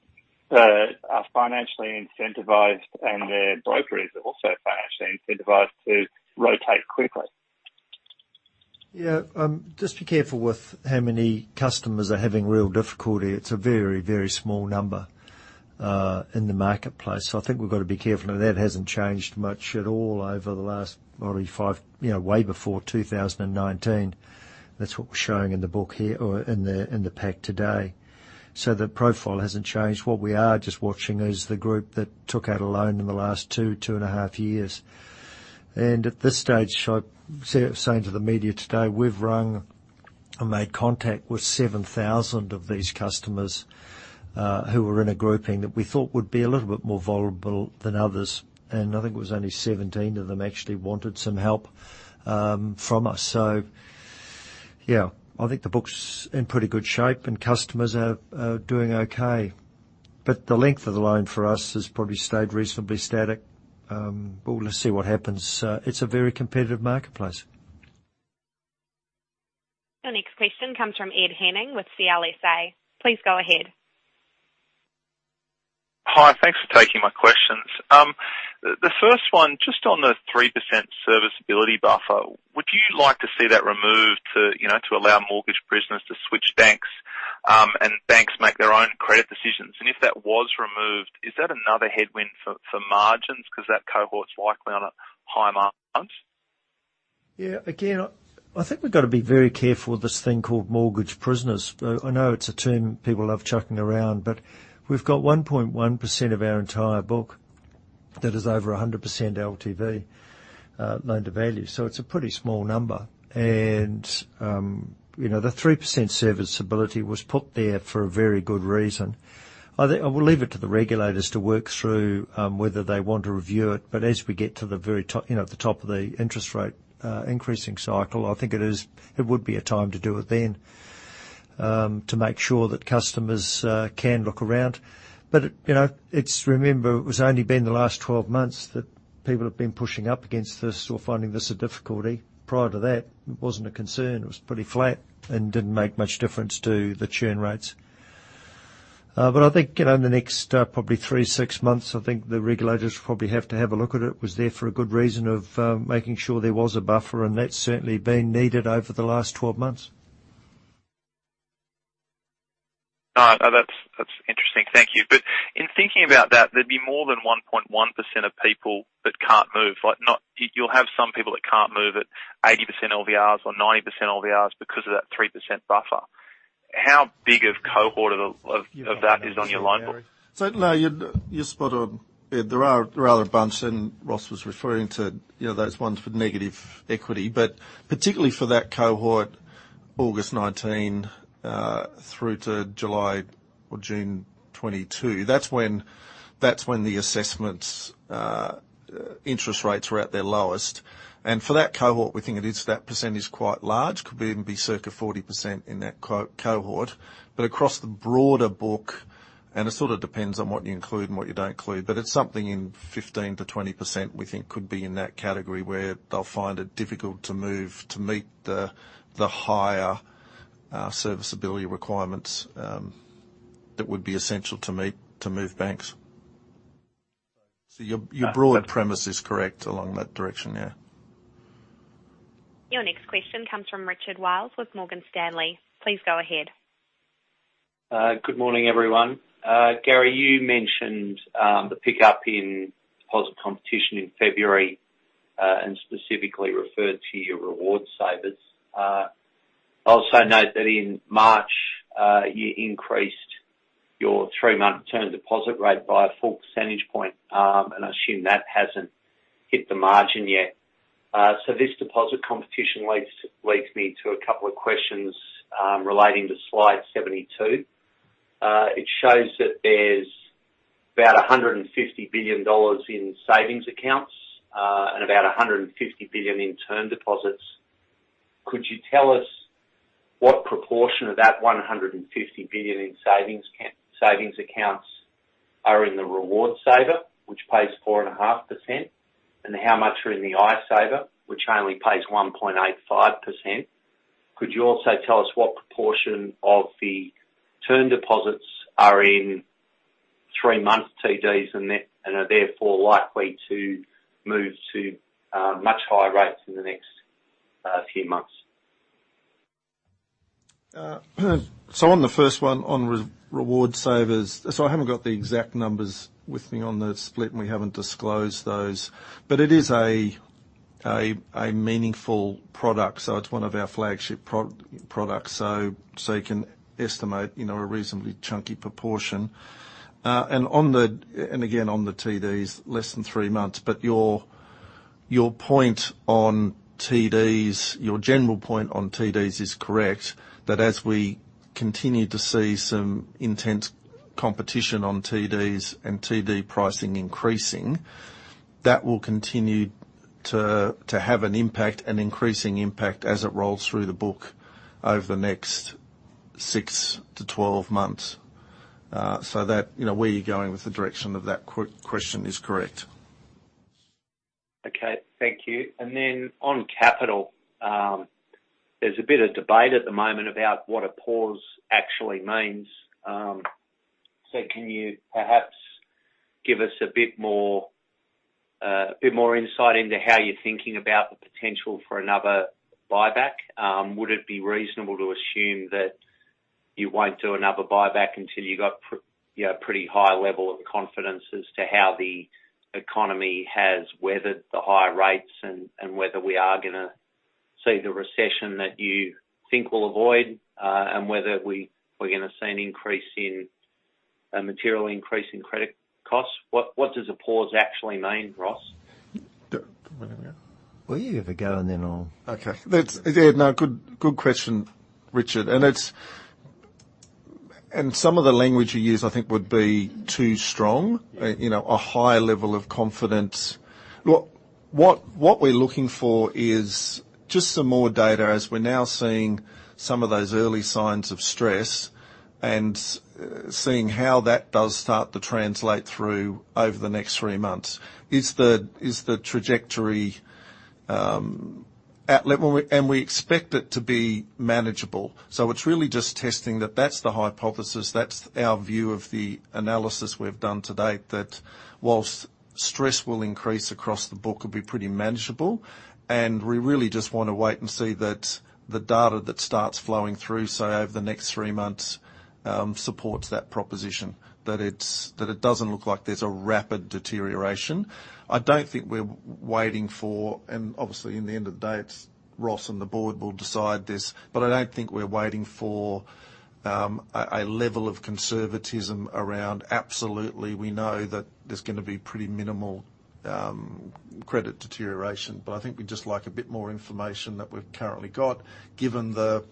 that are financially incentivized, and their broker is also financially incentivized to rotate quickly. Just be careful with how many customers are having real difficulty. It's a very, very small number in the marketplace. I think we've got to be careful, and that hasn't changed much at all over the last, you know, way before 2019. That's what we're showing in the book here or in the pack today. The profile hasn't changed. What we are just watching is the group that took out a loan in the last two and a half-years. At this stage, saying to the media today, we've rung and made contact with 7,000 of these customers who were in a grouping that we thought would be a little bit more vulnerable than others. I think it was only 17 of them actually wanted some help from us. Yeah, I think the book's in pretty good shape and customers are doing okay. The length of the loan for us has probably stayed reasonably static. We'll see what happens. It's a very competitive marketplace. The next question comes from Ed Henning with CLSA. Please go ahead. Hi. Thanks for taking my questions. The first one, just on the 3% serviceability buffer, would you like to see that removed to, you know, to allow mortgage prisoners to switch banks, and banks make their own credit decisions? If that was removed, is that another headwind for margins because that cohort's likely on a high margin? Yeah, again, I think we've got to be very careful with this thing called mortgage prisoners. I know it's a term people love chucking around, we've got 1.1% of our entire book that is over 100% LTV, loan-to-value, so it's a pretty small number. You know, the 3% serviceability was put there for a very good reason. I think I will leave it to the regulators to work through whether they want to review it. As we get to the very top, you know, the top of the interest rate increasing cycle, I think it is, it would be a time to do it then to make sure that customers can look around. You know, it's, remember, it was only been the last 12 months that people have been pushing up against this or finding this a difficulty. Prior to that, it wasn't a concern. It was pretty flat and didn't make much difference to the churn rates. I think, you know, in the next, probably three, six months, I think the regulators probably have to have a look at it. It was there for a good reason of making sure there was a buffer, and that's certainly been needed over the last 12 months. No, no, that's interesting. Thank you. In thinking about that, there'd be more than 1.1% of people that can't move. Like, You'll have some people that can't move at 80% LVRs or 90% LVRs because of that 3% buffer. How big a cohort of that is on your line, Gary? No, you're spot on. There are a bunch, Ross McEwan was referring to, you know, those ones with negative equity. Particularly for that cohort, August 2019 through to July or June 2022, that's when the assessments, interest rates were at their lowest. For that cohort, we think it is that percentage quite large, could even be circa 40% in that cohort. Across the broader book, it sort of depends on what you include and what you don't include, but it's something in 15%-20% we think could be in that category where they'll find it difficult to move to meet the higher serviceability requirements that would be essential to meet to move banks. Your broad premise is correct along that direction, yeah. Your next question comes from Richard Wiles with Morgan Stanley. Please go ahead. Good morning, everyone. Gary, you mentioned the pickup in deposit competition in February, and specifically referred to your Reward Saver. I also note that in March, you increased your three-month term deposit rate by 1 percentage point, and I assume that hasn't hit the margin yet. This deposit competition leads me to a couple of questions relating to Slide 72. It shows that there's about 150 billion dollars in savings accounts, and about 150 billion in term deposits. Could you tell us what proportion of that 150 billion in savings accounts are in the Reward Saver, which pays 4.5%, and how much are in the iSaver, which only pays 1.85%? Could you also tell us what proportion of the term deposits are in three-month TDs and are therefore likely to move to much higher rates in the next few months? On the first one, on Reward Saver, I haven't got the exact numbers with me on the split, and we haven't disclosed those. It is a meaningful product, it's one of our flagship products. You can estimate, you know, a reasonably chunky proportion. Again, on the TDs, less than three months. Your point on TDs, your general point on TDs is correct, that as we continue to see some intense competition on TDs and TD pricing increasing, that will continue to have an impact, an increasing impact as it rolls through the book over the next six to 12 months. That, you know, where you're going with the direction of that question is correct. Okay, thank you. On capital, there's a bit of debate at the moment about what a pause actually means. Can you perhaps give us a bit more, a bit more insight into how you're thinking about the potential for another buyback? Would it be reasonable to assume that you won't do another buyback until you've got, you know, pretty high level of confidence as to how the economy has weathered the higher rates and whether we are gonna see the recession that you think we'll avoid, and whether we're gonna see an increase in a material increase in credit costs? What does a pause actually mean, Ross? Do you wanna go? Well, you have a go and then. Okay. That's yeah, no, good question, Richard. Some of the language you use I think would be too strong. you know, a higher level of confidence. What we're looking for is just some more data as we're now seeing some of those early signs of stress and seeing how that does start to translate through over the next three months. Is the trajectory? We expect it to be manageable. It's really just testing that that's the hypothesis, that's our view of the analysis we've done to date, that whilst stress will increase across the book, it'll be pretty manageable. We really just wanna wait and see that the data that starts flowing through, say, over the next three months supports that proposition, that it's that it doesn't look like there's a rapid deterioration. I don't think we're waiting for, and obviously in the end of the day, it's Ross and the board will decide this. I don't think we're waiting for a level of conservatism around absolutely we know that there's gonna be pretty minimal credit deterioration. I think we'd just like a bit more information that we've currently got, given the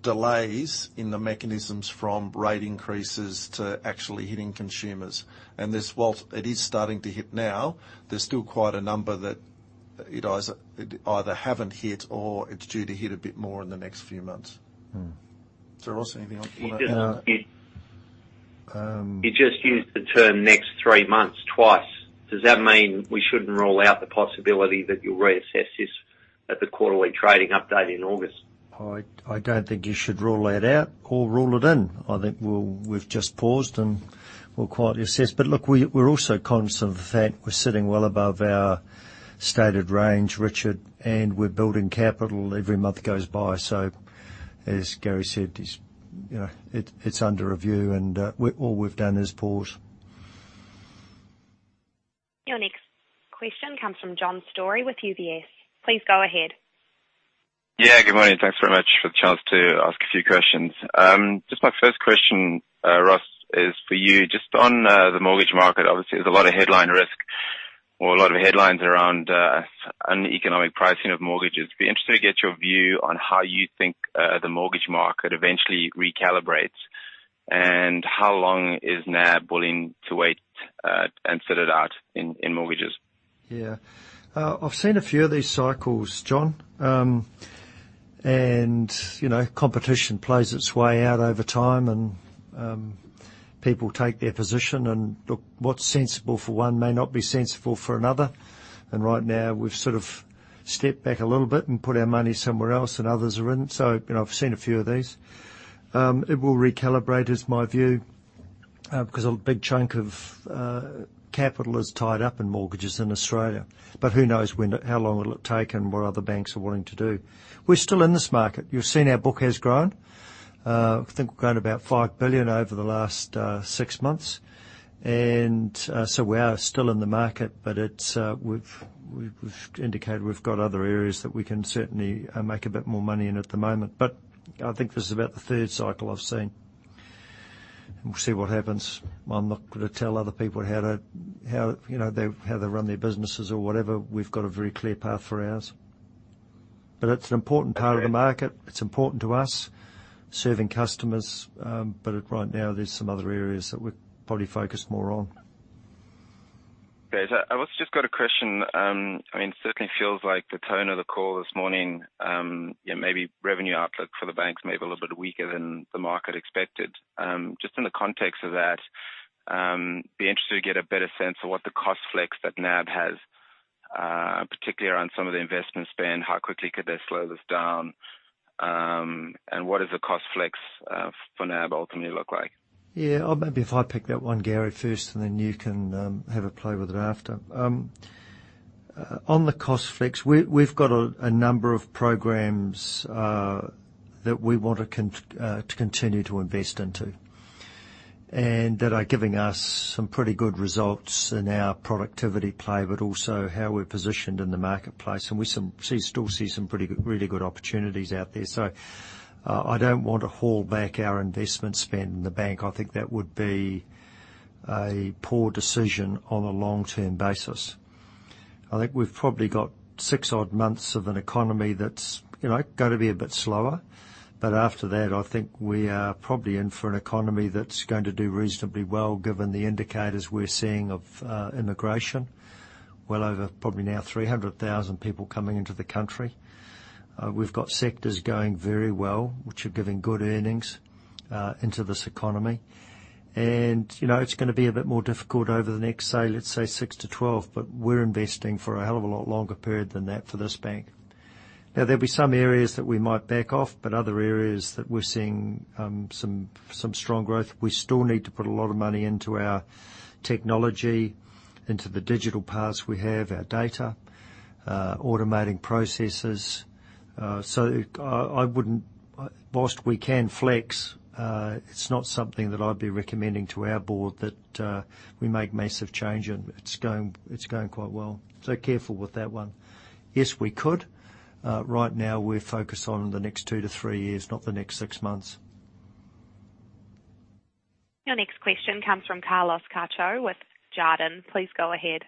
delays in the mechanisms from rate increases to actually hitting consumers. This, whilst it is starting to hit now, there's still quite a number that haven't hit or it's due to hit a bit more in the next few months. Mm-hmm. Ross, anything on that? No. You just used the term next three months twice. Does that mean we shouldn't rule out the possibility that you'll reassess this at the quarterly trading update in August? I don't think you should rule that out or rule it in. I think we've just paused and we'll quietly assess. Look, we're also conscious of the fact we're sitting well above our stated range, Richard, and we're building capital every month goes by. As Gary said, he's, you know, it's under review and all we've done is pause. Your next question comes from John Storey with UBS. Please go ahead. Yeah, good morning. Thanks very much for the chance to ask a few questions. Just my first question, Ross, is for you. Just on the mortgage market, obviously, there's a lot of headline risk or a lot of headlines around uneconomic pricing of mortgages. Be interested to get your view on how you think the mortgage market eventually recalibrates, and how long is NAB willing to wait and sit it out in mortgages? Yeah. I've seen a few of these cycles, John, and you know, competition plays its way out over time and people take their position. Look, what's sensible for one may not be sensible for another. Right now, we've sort of stepped back a little bit and put our money somewhere else, and others are in. You know, I've seen a few of these. It will recalibrate, is my view, 'cause a big chunk of capital is tied up in mortgages in Australia. Who knows how long will it take and what other banks are willing to do. We're still in this market. You've seen our book has grown. I think we've grown about 5 billion over the last six months. We are still in the market, but it's we've indicated we've got other areas that we can certainly make a bit more money in at the moment. I think this is about the third cycle I've seen. We'll see what happens. I'm not gonna tell other people how to, you know, how they run their businesses or whatever. We've got a very clear path for ours. It's an important part of the market. It's important to us serving customers. Right now there's some other areas that we're probably focused more on. Okay. I've also just got a question. I mean, it certainly feels like the tone of the call this morning, you know, maybe revenue outlook for the banks may be a little bit weaker than the market expected. Just in the context of that, be interested to get a better sense of what the cost flex that NAB has, particularly around some of the investment spend, how quickly could they slow this down, and what does the cost flex for NAB ultimately look like? Maybe if I pick that one, Gary, first, and then you can have a play with it after. On the cost flex, we've got a number of programs that we want to continue to invest into, that are giving us some pretty good results in our productivity play, but also how we're positioned in the marketplace. We still see some really good opportunities out there. I don't want to hold back our investment spend in the bank. I think that would be a poor decision on a long-term basis. I think we've probably got six odd months of an economy that's, you know, gonna be a bit slower. After that, I think we are probably in for an economy that's going to do reasonably well, given the indicators we're seeing of immigration. Well over probably now 300,000 people coming into the country. We've got sectors going very well, which are giving good earnings into this economy. You know, it's gonna be a bit more difficult over the next, say, let's say 6 to 12, but we're investing for a hell of a lot longer period than that for this bank. There'll be some areas that we might back off, but other areas that we're seeing some strong growth. We still need to put a lot of money into our technology, into the digital paths we have, our data, automating processes. I wouldn't whilst we can flex, it's not something that I'd be recommending to our board that we make massive change, and it's going quite well. Careful with that one. Yes, we could. Right now we're focused on the next two to three years, not the next six months. Your next question comes from Carlos Cacho with Jarden. Please go ahead.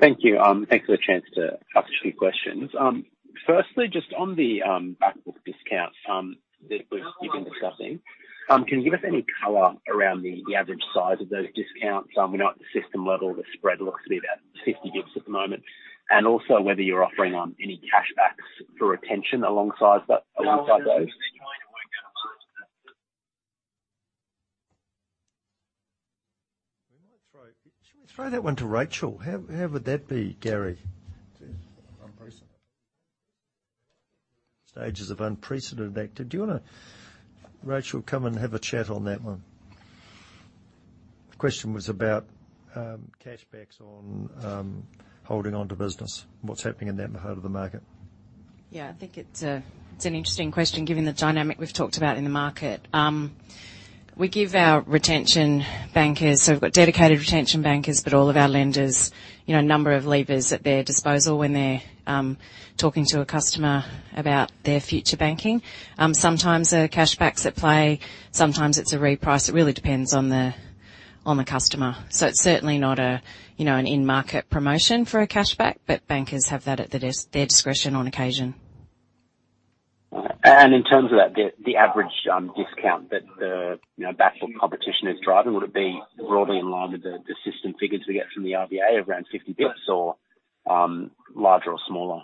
Thank you. Thanks for the chance to ask a few questions. Firstly, just on the backbook discount that we've been discussing. Can you give us any color around the average size of those discounts? We know at the system level, the spread looks to be about 50 BPS at the moment. Also whether you're offering any cashbacks for retention alongside those? Shall we throw that one to Rachel? How would that be, Gary? Unprecedented. Stages of unprecedented activity. Do you wanna, Rachel, come and have a chat on that one? The question was about cashbacks on holding onto business. What's happening in that part of the market? Yeah. I think it's a, it's an interesting question, given the dynamic we've talked about in the market. We give our retention bankers. We've got dedicated retention bankers, but all of our lenders, you know, a number of levers at their disposal when they're talking to a customer about their future banking. Sometimes there are cashbacks at play, sometimes it's a reprice. It really depends on the, on the customer. It's certainly not a, you know, an in-market promotion for a cashback, but bankers have that at their discretion on occasion. In terms of that, the average discount that the, you know, backbook competition is driving, would it be broadly in line with the system figures we get from the RBA around 50 basis points or, larger or smaller?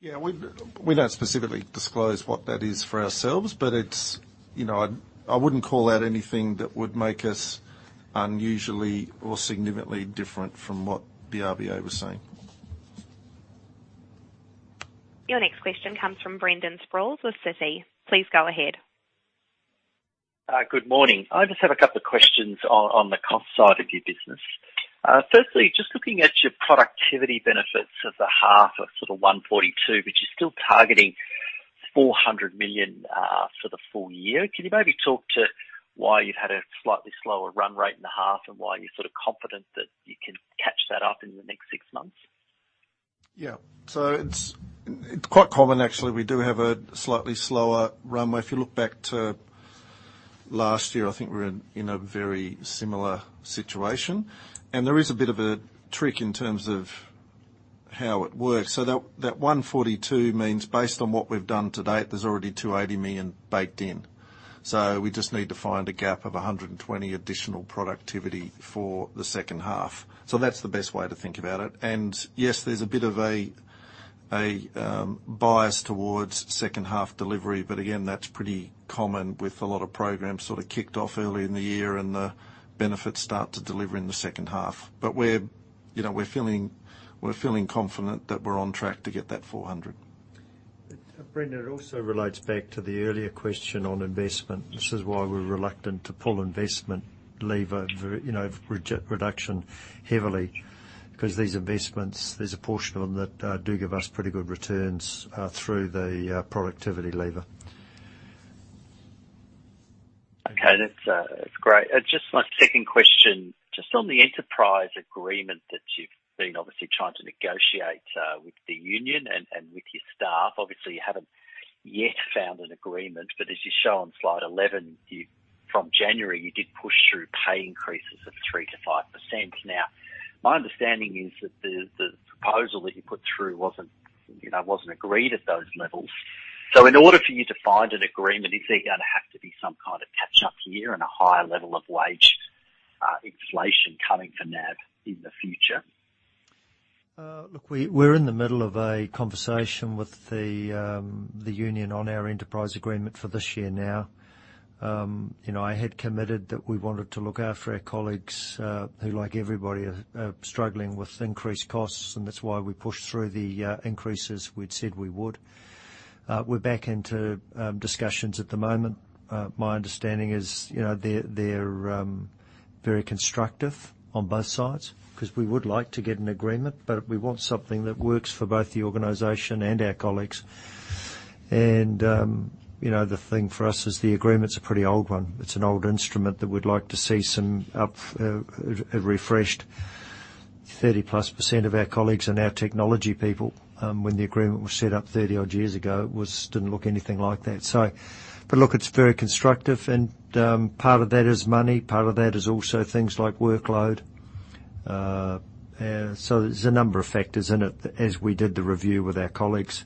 Yeah. We don't specifically disclose what that is for ourselves, but it's, you know, I wouldn't call out anything that would make us unusually or significantly different from what the RBA was saying. Your next question comes from Brendan Sproules with Citi. Please go ahead. Good morning. I just have a couple of questions on the cost side of your business. Firstly, just looking at your productivity benefits at the half of sort of 142, but you're still targeting 400 million, for the full year. Can you maybe talk to why you've had a slightly slower run rate in the half, and why you're sort of confident that you can catch that up in the next six months? Yeah. It's, it's quite common, actually. We do have a slightly slower runway. If you look back to last year, I think we're in a very similar situation. There is a bit of a trick in terms of how it works. That, that 142 means, based on what we've done to date, there's already 280 million baked in. We just need to find a gap of 120 additional productivity for the second half. That's the best way to think about it. Yes, there's a bit of a bias towards second half delivery. Again, that's pretty common with a lot of programs sort of kicked off early in the year, and the benefits start to deliver in the second half. We're, you know, we're feeling confident that we're on track to get that 400. Brendan, it also relates back to the earlier question on investment. This is why we're reluctant to pull investment lever, you know, reduction heavily, 'cause these investments, there's a portion of them that do give us pretty good returns through the productivity lever. That's, that's great. Just my second question. Just on the enterprise agreement that you've been obviously trying to negotiate with the union and with your staff. Obviously, you haven't yet found an agreement, but as you show on Slide 11, from January, you did push through pay increases of 3%-5%. My understanding is that the proposal that you put through wasn't, you know, wasn't agreed at those levels. In order for you to find an agreement, is there gonna have to be some kind of catch-up year and a higher level of wage inflation coming for NAB in the future? Look, we're in the middle of a conversation with the union on our enterprise agreement for this year now. You know, I had committed that we wanted to look after our colleagues, who, like everybody, are struggling with increased costs, that's why we pushed through the increases we'd said we would. We're back into discussions at the moment. My understanding is, you know, they're very constructive on both sides, 'cause we would like to get an agreement, we want something that works for both the organization and our colleagues. You know, the thing for us is the agreement's a pretty old one. It's an old instrument that we'd like to see some refreshed. 30+% of our colleagues are now technology people. When the agreement was set up 30-odd years ago, didn't look anything like that. Look, it's very constructive and part of that is money, part of that is also things like workload. There's a number of factors in it as we did the review with our colleagues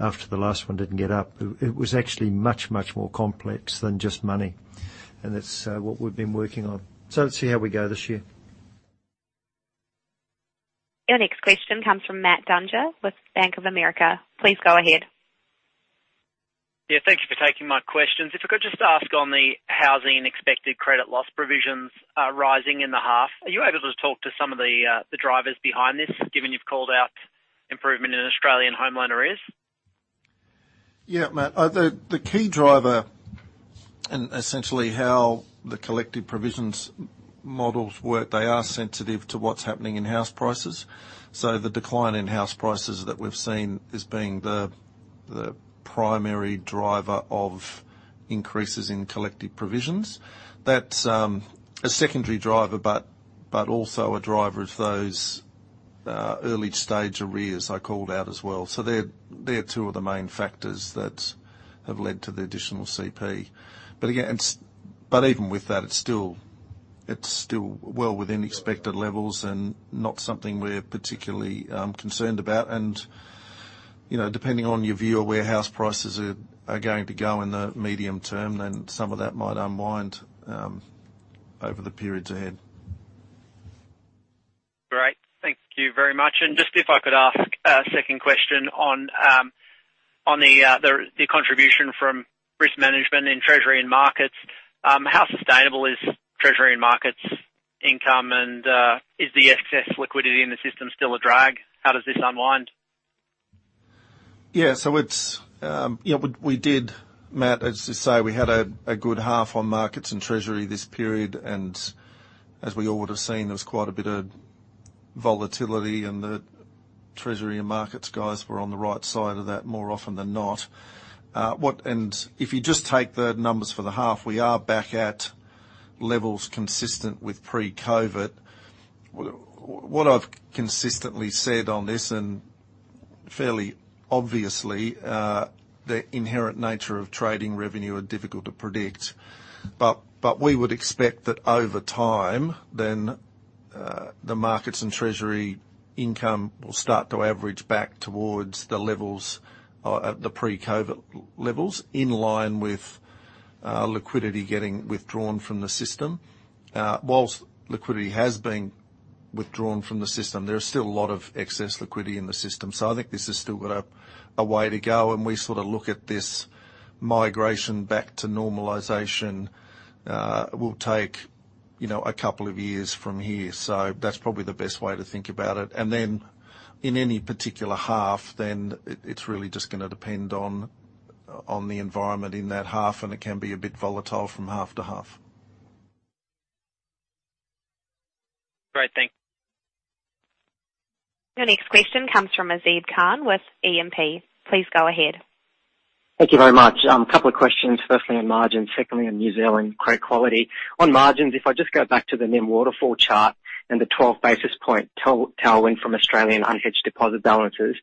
after the last 1 didn't get up. It was actually much, much more complex than just money. That's what we've been working on. Let's see how we go this year. Your next question comes from Matt Dunger with Bank of America. Please go ahead. Yeah, thank you for taking my questions. If I could just ask on the housing expected credit loss provisions, rising in the half. Are you able to talk to some of the drivers behind this, given you've called out improvement in Australian home loan arrears? Yeah, Matt, the key driver and essentially how the collective provisions models work, they are sensitive to what's happening in house prices. The decline in house prices that we've seen as being the primary driver of increases in collective provisions. That's a secondary driver, but also a driver of those early stage arrears I called out as well. They're two of the main factors that have led to the additional CP. Again, even with that, it's still well within expected levels and not something we're particularly concerned about. You know, depending on your view of where house prices are going to go in the medium term, some of that might unwind over the periods ahead. Great. Thank you very much. Just if I could ask a second question on the contribution from risk management in treasury and markets. How sustainable is treasury and markets income and is the excess liquidity in the system still a drag? How does this unwind? Yeah, we did, Matt, as you say, we had a good half on markets and treasury this period. As we all would've seen, there was quite a bit of volatility and the treasury and markets guys were on the right side of that more often than not. If you just take the numbers for the half, we are back at levels consistent with pre-COVID. What I've consistently said on this, and fairly obviously, the inherent nature of trading revenue are difficult to predict. We would expect that over time then, the markets and treasury income will start to average back towards the levels, the pre-COVID levels, in line with liquidity getting withdrawn from the system. Whilst liquidity has been withdrawn from the system, there is still a lot of excess liquidity in the system. I think this has still got a way to go, and we sort of look at this migration back to normalization, will take, you know, a couple of years from here. That's probably the best way to think about it. In any particular half, then it's really just gonna depend on the environment in that half, and it can be a bit volatile from half to half. Your next question comes from Azib Khan with E&P Capital. Please go ahead. Thank you very much. Couple of questions. Firstly, on margins, secondly, on New Zealand credit quality. On margins, if I just go back to the NIM waterfall chart and the 12 basis point tailwind from Australian unhedged deposit balances.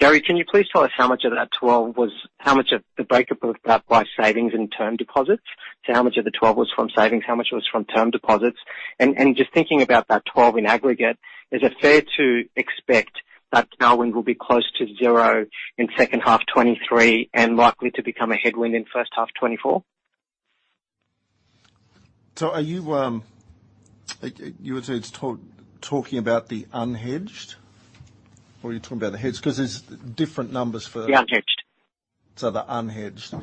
Gary, can you please tell us how much of that 12 was how much of the breakup of that by savings and term deposits? So how much of the 12 was from savings? How much was from term deposits? Just thinking about that 12 in aggregate, is it fair to expect that tailwind will be close to zero in second half 2023 and likely to become a headwind in first half 2024? You were sort of talking about the unhedged, or you're talking about the hedged? Because there's different numbers for- The unhedged. The unhedged.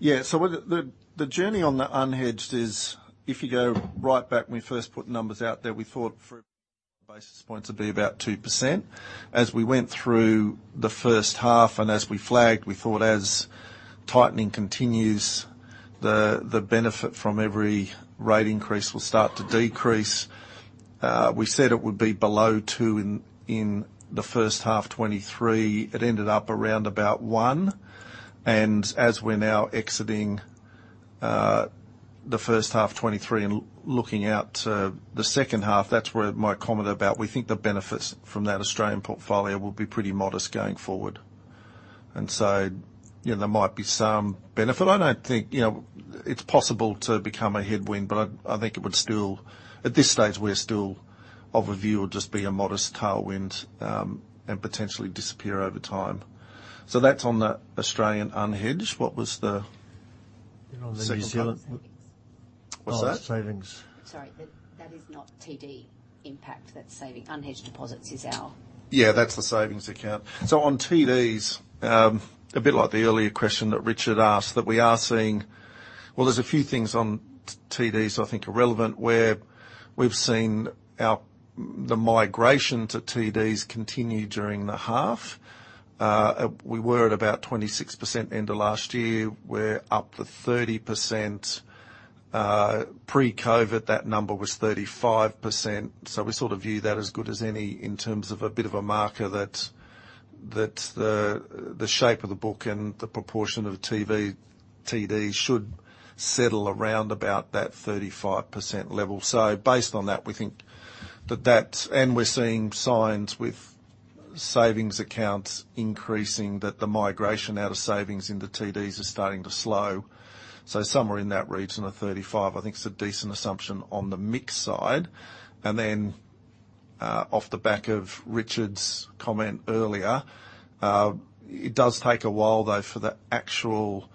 Yeah. The, the journey on the unhedged is if you go right back when we first put numbers out there, we thought for basis points it'd be about 2%. As we went through the first half and as we flagged, we thought as tightening continues, the benefit from every rate increase will start to decrease. We said it would be below two in the first half 2023. It ended up around about one. As we're now exiting, the first half 2023 and looking out to the second half, that's where my comment about we think the benefits from that Australian portfolio will be pretty modest going forward. You know, there might be some benefit. I don't think, you know, it's possible to become a headwind, but I think it would still at this stage, we're still of a view it'll just be a modest tailwind, and potentially disappear over time. That's on the Australian unhedged. You're on the New Zealand- What's that? Oh, savings. Sorry. That is not TD impact. That's savings. Unhedged deposits is our- Yeah, that's the savings account. On TDs, a bit like the earlier question that Richard asked, there's a few things on TDs I think are relevant, where we've seen our, the migration to TDs continue during the half. We were at about 26% end of last year. We're up to 30%. Pre-COVID, that number was 35%. We sort of view that as good as any in terms of a bit of a marker that the shape of the book and the proportion of TD should settle around about that 35% level. Based on that, we think. We're seeing signs with savings accounts increasing, that the migration out of savings into TDs is starting to slow. Somewhere in that region of 35, I think is a decent assumption on the mix side. Off the back of Richard's comment earlier, it does take a while though for the actual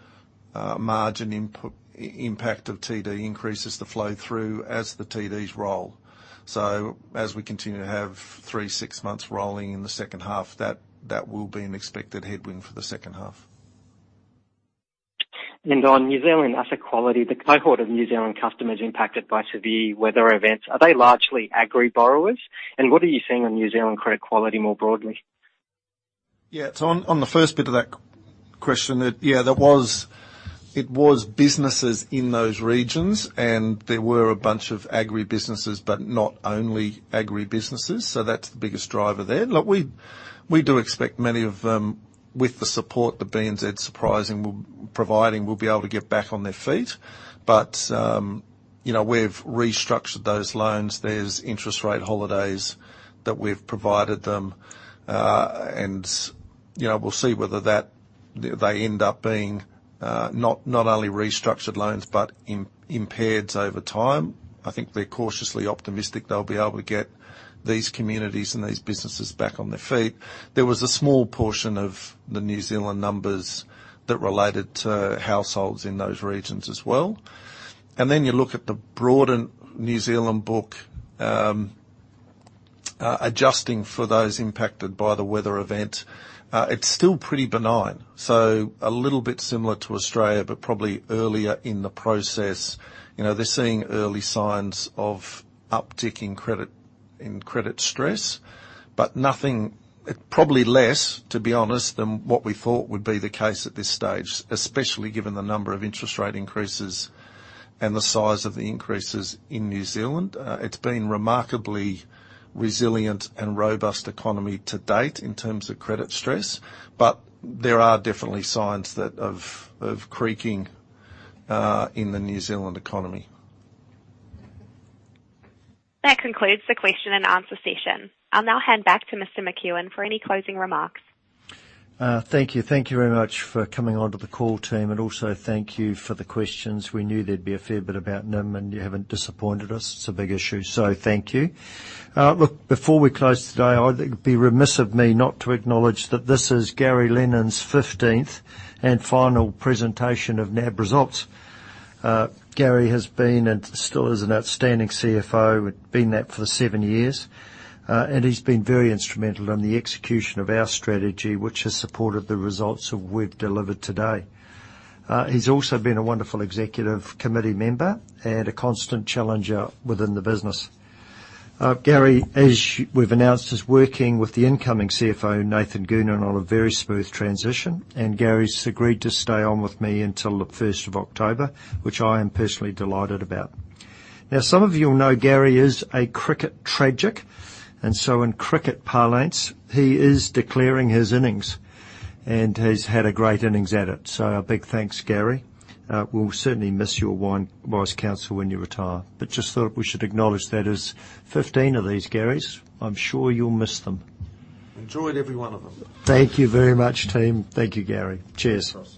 margin input, impact of TD increases to flow through as the TDs roll. As we continue to have three, six months rolling in the second half, that will be an expected headwind for the second half. On New Zealand asset quality, the cohort of New Zealand customers impacted by severe weather events, are they largely agri borrowers? What are you seeing on New Zealand credit quality more broadly? On the first bit of that question, it was businesses in those regions, and there were a bunch of agri businesses, but not only agri businesses, that's the biggest driver there. We do expect many of them, with the support that BNZ's providing, will be able to get back on their feet. You know, we've restructured those loans. There's interest rate holidays that we've provided them. You know, we'll see whether that, they end up being not only restructured loans but impaired over time. I think they're cautiously optimistic they'll be able to get these communities and these businesses back on their feet. There was a small portion of the New Zealand numbers that related to households in those regions as well. You look at the broadened New Zealand book, adjusting for those impacted by the weather event, it's still pretty benign. A little bit similar to Australia, but probably earlier in the process. You know, they're seeing early signs of uptick in credit, in credit stress, but probably less, to be honest, than what we thought would be the case at this stage, especially given the number of interest rate increases and the size of the increases in New Zealand. It's been remarkably resilient and robust economy to date in terms of credit stress, but there are definitely signs that of creaking in the New Zealand economy. That concludes the question and answer session. I'll now hand back to Mr. McEwan for any closing remarks. Thank you. Thank you very much for coming onto the call team. Also thank you for the questions. We knew there'd be a fair bit about NIM. You haven't disappointed us. It's a big issue. Thank you. Look, before we close today, I think it'd be remiss of me not to acknowledge that this is Gary Lennon's fifteenth and final presentation of NAB results. Gary has been and still is an outstanding CFO. Been that for seven years. He's been very instrumental in the execution of our strategy, which has supported the results that we've delivered today. He's also been a wonderful executive committee member and a constant challenger within the business. Gary, as we've announced, is working with the incoming CFO, Nathan Goonan, on a very smooth transition, and Gary's agreed to stay on with me until the first of October, which I am personally delighted about. Some of you will know Gary is a cricket tragic. In cricket parlance, he is declaring his innings, and he's had a great innings at it. A big thanks, Gary. We'll certainly miss your wise counsel when you retire. Just thought we should acknowledge that is 15 of these, Gary. I'm sure you'll miss them. Enjoyed every one of them. Thank you very much, team. Thank you, Gary. Cheers. Cheers.